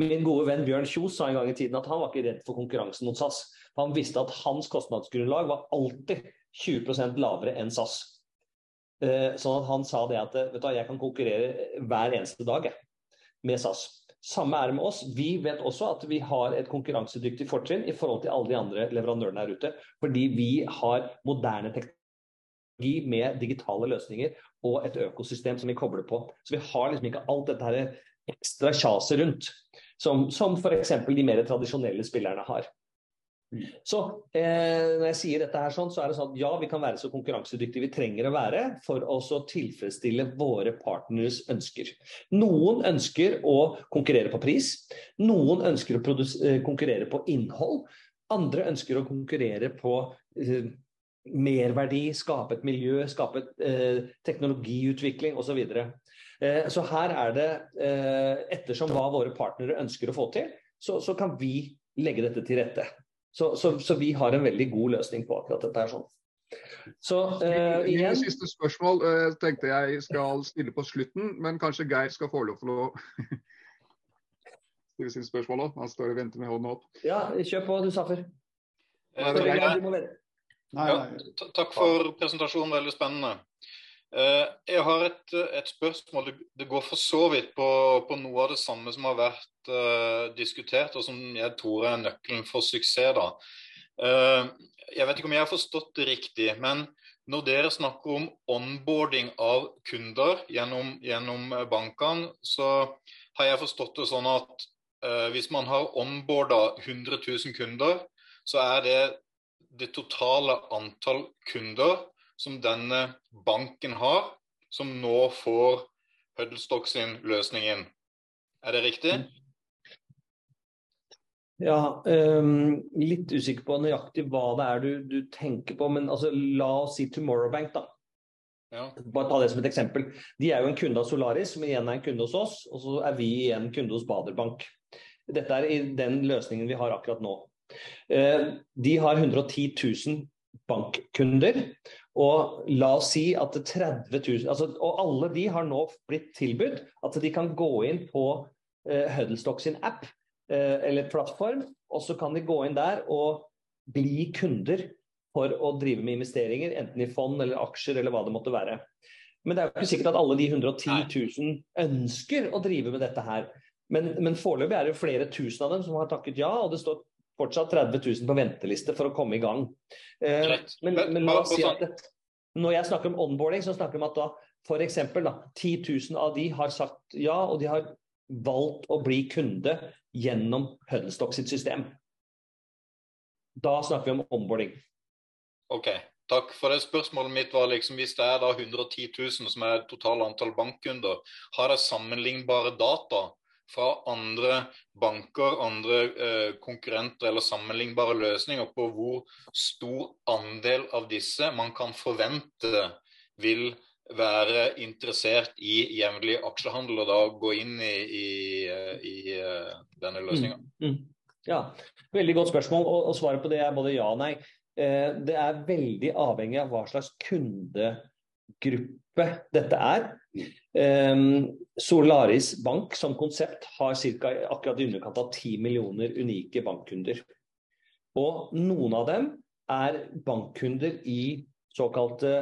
Min gode venn Bjørn Kjos sa en gang i tiden at han var ikke redd for konkurransen mot SAS. Han visste at hans kostnadsgrunnlag var alltid 20% lavere enn SAS, sånn at han sa det at vet du, jeg kan konkurrere hver eneste dag med SAS. Samme er det med oss. Vi vet også at vi har et konkurransedyktig fortrinn i forhold til alle de andre leverandørene der ute, fordi vi har moderne teknologi med digitale løsninger og et økosystem som vi kobler på. Vi har liksom ikke alt dette her ekstra tjaset rundt som for eksempel de mer tradisjonelle spillerne har. Når jeg sier dette her sånn, så er det sånn. Ja, vi kan være så konkurransedyktig vi trenger å være for å tilfredsstille våre partneres ønsker. Noen ønsker å konkurrere på pris. Noen ønsker å konkurrere på innhold. Andre ønsker å konkurrere på merverdi, skape et miljø, skape teknologiutvikling og så videre. Her er det ettersom hva våre partnere ønsker å få til, så vi har en veldig god løsning på akkurat dette her sånn. Igjen. Siste spørsmål tenkte jeg skal stille på slutten, men kanskje Geir skal få lov til å stille sine spørsmål også. Han står og venter med hånden opp. Ja, kjør på du, Safer. Nei, nei. Takk for presentasjonen. Veldig spennende. Jeg har et spørsmål. Det går for så vidt på noe av det samme som har vært diskutert og som jeg tror er nøkkelen for suksess da. Jeg vet ikke om jeg har forstått det riktig, men når dere snakker om onboarding av kunder gjennom bankene, så har jeg forstått det sånn at hvis man har onboardet 100,000 kunder, så er det det totale antall kunder som denne banken har som nå får Huddlestock sin løsning inn. Er det riktig? Ja, litt usikker på nøyaktig hva det er du tenker på, men altså, la oss si Tomorrow Bank da. Ja. Bare ta det som et eksempel. De er jo en kunde av Solaris, som igjen er en kunde hos oss, og så er vi igjen kunde hos Baader Bank. Dette er i den løsningen vi har akkurat nå. De har 110,000 bankkunder, og la oss si at 30,000, altså og alle de har nå blitt tilbudt at de kan gå inn på Huddlestock sin app eller plattform, og så kan de gå inn der og bli kunder for å drive med investeringer, enten i fond eller aksjer eller hva det måtte være. Men det er jo ikke sikkert at alle de 110,000 ønsker å drive med dette her. Men foreløpig er det jo flere tusen av dem som har takket ja, og det står fortsatt 30,000 på venteliste for å komme i gang. La oss si at når jeg snakker om onboarding, så snakker vi om at for eksempel 10,000 av de har sagt ja, og de har valgt å bli kunde gjennom Huddlestock sitt system. Da snakker vi om onboarding. Okay, takk for det. Spørsmålet mitt var liksom hvis det er hundre og ti tusen som er totalt antall bankkunder, har jeg sammenlignbare data fra andre banker, andre konkurrenter eller sammenlignbare løsninger på hvor stor andel av disse man kan forvente vil være interessert i jevnlig aksjehandel, og da gå inn i denne løsningen. Ja, veldig godt spørsmål. Svaret på det er både ja og nei. Det er veldig avhengig av hva slags kundegruppe dette er. Solaris Bank som konsept har cirka akkurat i underkant av 10 millioner unike bankkunder, og noen av dem er bankkunder i såkalte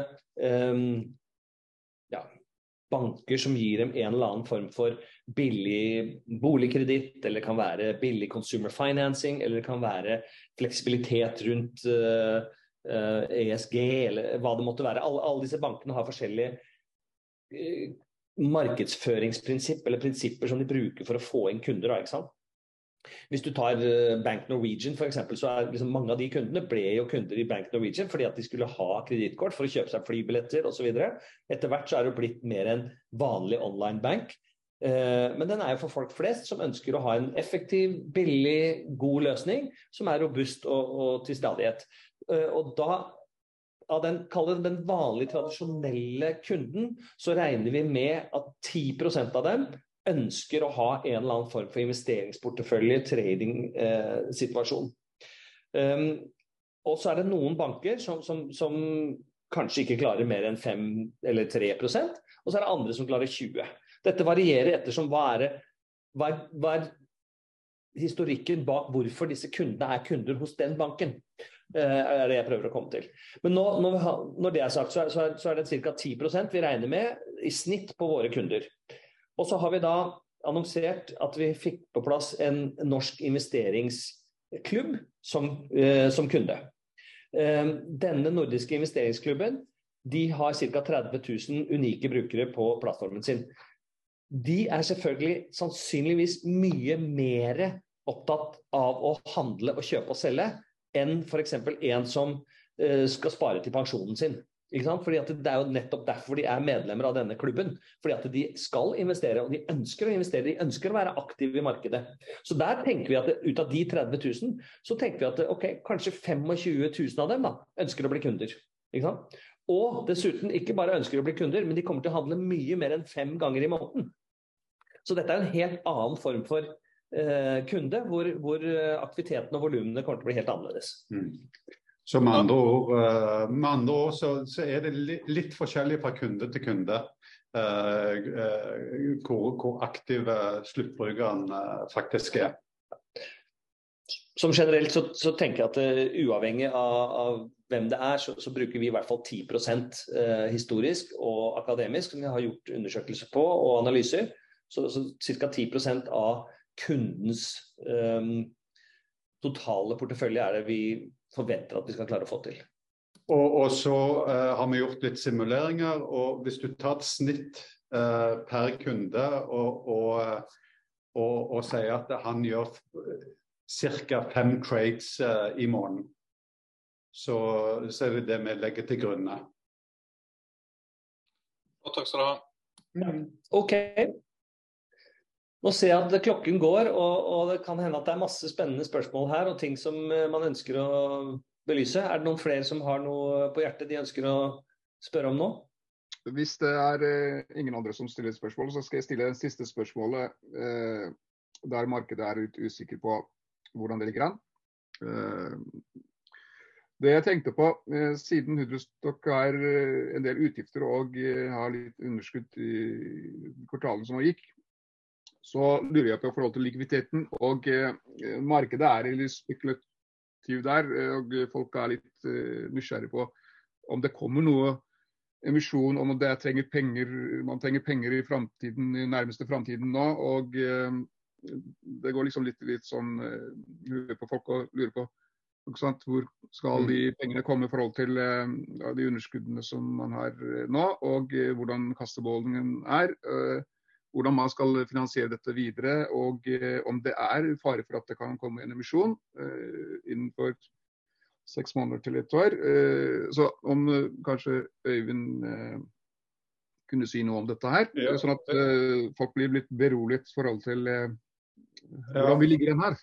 banker som gir dem en eller annen form for billig boligkreditt. Eller det kan være billig consumer financing. Eller det kan være fleksibilitet rundt ESG eller hva det måtte være. Alle disse bankene har forskjellige markedsføringsprinsipper eller prinsipper som de bruker for å få inn kunder da, ikke sant? Hvis du tar Bank Norwegian for eksempel, så er liksom mange av de kundene ble jo kunder i Bank Norwegian fordi at de skulle ha kredittkort for å kjøpe seg flybilletter og så videre. Etter hvert så har det blitt mer en vanlig online bank, men den er jo for folk flest som ønsker å ha en effektiv, billig, god løsning som er robust og til stede et. Hvis man kaller det den vanlige tradisjonelle kunden, så regner vi med at 10% av dem ønsker å ha en eller annen form for investeringsportefølje, trading situasjon. Det er noen banker som kanskje ikke klarer mer enn 5 eller 3%. Det er andre som klarer 20. Dette varierer ettersom hva er historikken bak hvorfor disse kundene er kunder hos den banken. Det er det jeg prøver å komme til. Når det er sagt så er det cirka 10% vi regner med i snitt på våre kunder. Vi har da annonsert at vi fikk på plass en norsk investeringsklubb som kunde. Denne nordiske investeringsklubben, de har cirka 30,000 unike brukere på plattformen sin. De er selvfølgelig sannsynligvis mye mer opptatt av å handle og kjøpe og selge enn for eksempel en som skal spare til pensjonen sin, ikke sant? Fordi at det er jo nettopp derfor de er medlemmer av denne klubben, fordi at de skal investere og de ønsker å investere. De ønsker å være aktive i markedet. Der tenker vi at ut av de 30,000 så tenker vi at okei, kanskje 25,000 av dem da ønsker å bli kunder, ikke sant. Dessuten ikke bare ønsker å bli kunder, men de kommer til å handle mye mer enn 5 ganger i måneden. Dette er en helt annen form for kunde. Hvor aktiviteten og volumene kommer til å bli helt annerledes. Med andre ord så er det litt forskjellig fra kunde til kunde. Hvor aktive sluttbrukerne faktisk er. Som generelt så tenker jeg at uavhengig av hvem det er så bruker vi i hvert fall 10% historisk og akademisk som jeg har gjort undersøkelser på og analyser. Cirka 10% av kundens totale portefølje er det vi forventer at vi skal klare å få til. Så har vi gjort litt simuleringer. Hvis du tar et snitt per kunde og sier at han gjør cirka 5 trades i måneden, så er det det vi legger til grunn da. Takk skal du ha. Okay. Nå ser jeg at klokken går og det kan hende at det er masse spennende spørsmål her og ting som man ønsker å belyse. Er det noen flere som har noe på hjertet de ønsker å spørre om nå? Hvis det er ingen andre som stiller spørsmål, så skal jeg stille det siste spørsmålet, der markedet er litt usikker på hvordan det ligger an. Det jeg tenkte på siden Huddlestock har en del utgifter og har litt underskudd i kvartalet som har gått, så lurer jeg på i forhold til likviditeten og markedet er litt spekulativ der og folket er litt nysgjerrig på om det kommer noe emisjon og om det trenger penger. Man trenger penger i framtiden, i nærmeste framtid nå, og det går liksom litt i litt sånn lurer på folk og lurer på ikke sant. Hvor skal de pengene komme i forhold til de underskuddene som man har nå og hvordan kassebeholdningen er, hvordan man skal finansiere dette videre, og om det er fare for at det kan komme en emisjon, innenfor seks måneder til ett år. Om kanskje Øyvind kunne si noe om dette her, sånn at folk blir litt beroliget i forhold til hvordan vi ligger an her.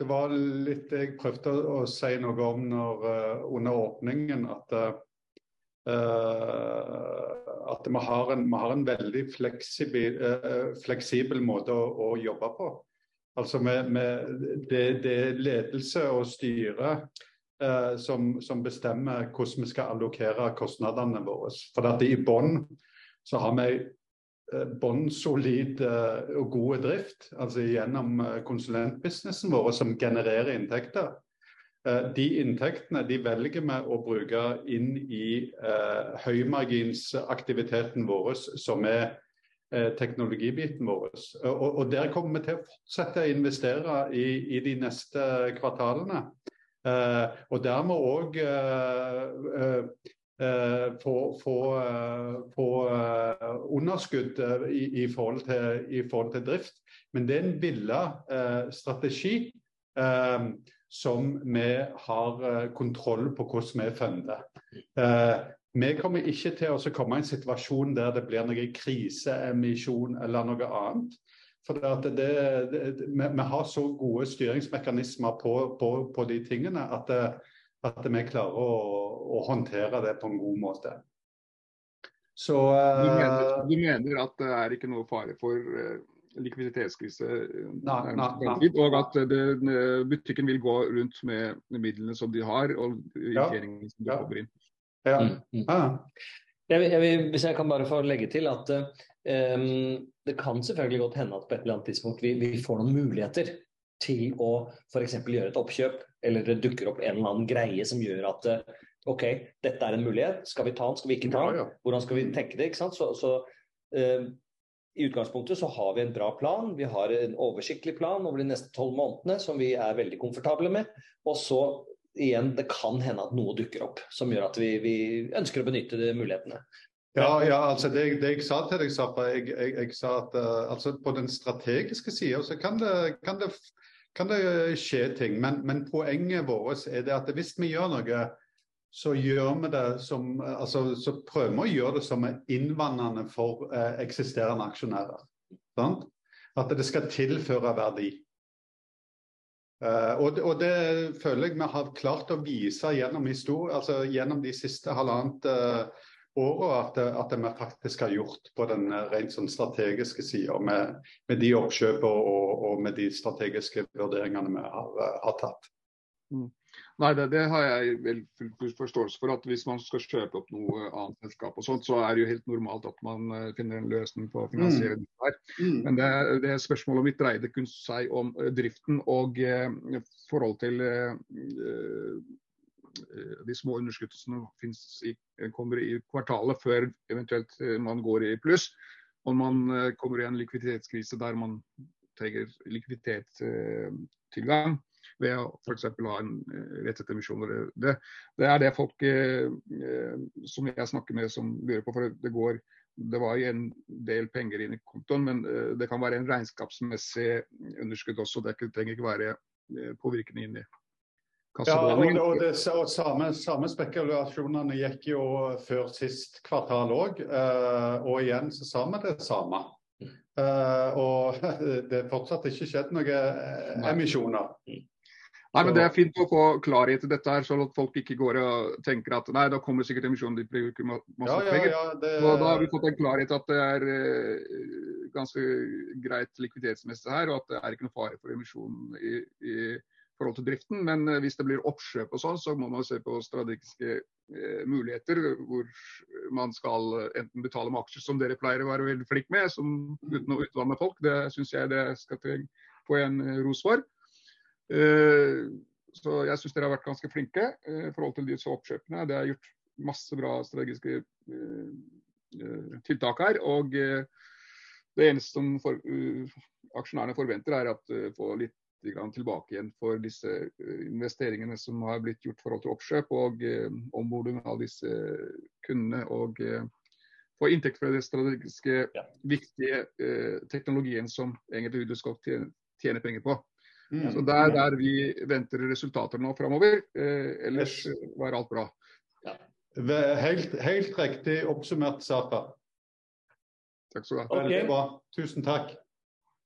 Det var litt jeg prøvde å si noe om når under åpningen at vi har en veldig fleksibel måte å jobbe på, altså med det er ledelse og styre som bestemmer hvordan vi skal allokere kostnadene våre. Fordi at i bunn så har vi bunnsolid og god drift altså gjennom konsulentbusinessen vår som genererer inntekter. De inntektene velger vi å bruke inn i høymarginsaktiviteten vår, som er teknologibiten vår. Og der kommer vi til å fortsette å investere i de neste kvartalene og dermed få underskudd i forhold til drift. Men det er en villet strategi som vi har kontroll på hvordan vi funde. Vi kommer ikke til å komme i en situasjon der det blir noe kriseemisjon eller noe annet fordi at det. Vi har så gode styringsmekanismer på de tingene at vi klarer å håndtere det på en god måte. Du mener at det er ikke noe fare for likviditetskrise? Nei, nei. At det butikken vil gå rundt med midlene som de har og finansieringen som du får inn. Ja, ja. Hvis jeg kan bare få legge til at, det kan selvfølgelig godt hende at på et eller annet tidspunkt vil vi få noen muligheter til å for eksempel gjøre et oppkjøp, eller det dukker opp en eller annen greie som gjør at okay, dette er en mulighet. Skal vi ta den? Skal vi ikke ta den? Ja, ja. Hvordan skal vi tenke da, ikke sant? I utgangspunktet så har vi en bra plan. Vi har en oversiktlig plan over de neste 12 månedene som vi er veldig komfortable med. Så igjen, det kan hende at noe dukker opp som gjør at vi ønsker å benytte de mulighetene. Ja, altså, det jeg sa til deg, Safer Sagdic. Jeg sa at, altså på den strategiske siden, så kan det skje ting. Men poenget vårt er at hvis vi gjør noe, så gjør vi det som, altså, så prøver vi å gjøre det som er innbringende for eksisterende aksjonærer, sant. At det skal tilføre verdi. Og det føler jeg vi har klart å vise gjennom historien, altså gjennom de siste halvannet året. At vi faktisk har gjort på den rent strategiske siden med de oppkjøp og med de strategiske vurderingene vi har tatt. Nei, det har jeg vel full forståelse for at hvis man skal kjøpe opp noe annet selskap og sånt, så er det jo helt normalt at man finner en løsning på å finansiere det. Mm. Det er spørsmål om det dreide kun seg om driften og i forhold til de små underskuddene som finnes eller kommer i kvartalet før eventuelt man går i pluss og man kommer i en likviditetskrise der man trenger tilgang til likviditet ved å for eksempel ha en rettet emisjon eller det. Det er det folk som jeg snakker med som lurer på fordi det går. Det var en del penger inn i kontoen, men det kan være en regnskapsmessig underskudd også. Det trenger ikke være påvirkning inn i kassebeholdningen. Det samme spekulasjonene gikk jo før siste kvartal, og igjen så sa vi det samme, og det fortsatt ikke skjedd noen emisjoner. Nei, men det er fint å få klarhet i dette her, sånn at folk ikke går og tenker at nei, da kommer det sikkert emisjon. De bruker masse penger. Ja, ja. Har vi fått en klarhet i at det er ganske greit likviditetsmessig her, og at det er ikke noe fare for emisjon i forhold til driften. Hvis det blir oppkjøp og sånn, så må man se på strategiske muligheter hvor man skal enten betale med aksjer som dere pleier å være veldig flink med som uten å utvanne folk. Det synes jeg, det skal du få igjen ros for, så jeg synes dere har vært ganske flinke i forhold til disse oppkjøpene. Det er gjort masse bra strategiske tiltak her. Det eneste som aksjonærene forventer er at få littegrann tilbake igjen for disse investeringene som har blitt gjort i forhold til oppkjøp og onboarding av disse kundene, og få inntekt fra den strategiske viktige teknologien som egentlig Huddlestock skal tjene penger på. Det er der vi venter resultater nå framover. Ellers var alt bra. Ja, det er helt riktig oppsummert, Safer Sagdic. Takk skal du ha. Veldig bra. Tusen takk.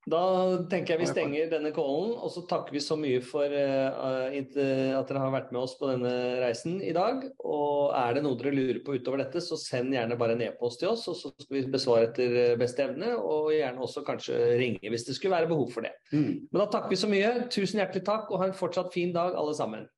Da tenker jeg vi stenger denne callen, og så takker vi så mye for at dere har vært med oss på denne reisen i dag. Er det noe dere lurer på utover dette, så send gjerne bare en e-post til oss, så skal vi besvare etter beste evne og gjerne også kanskje ringe hvis det skulle være behov for det. Men da takker vi så mye. Tusen hjertelig takk og ha en fortsatt fin dag alle sammen!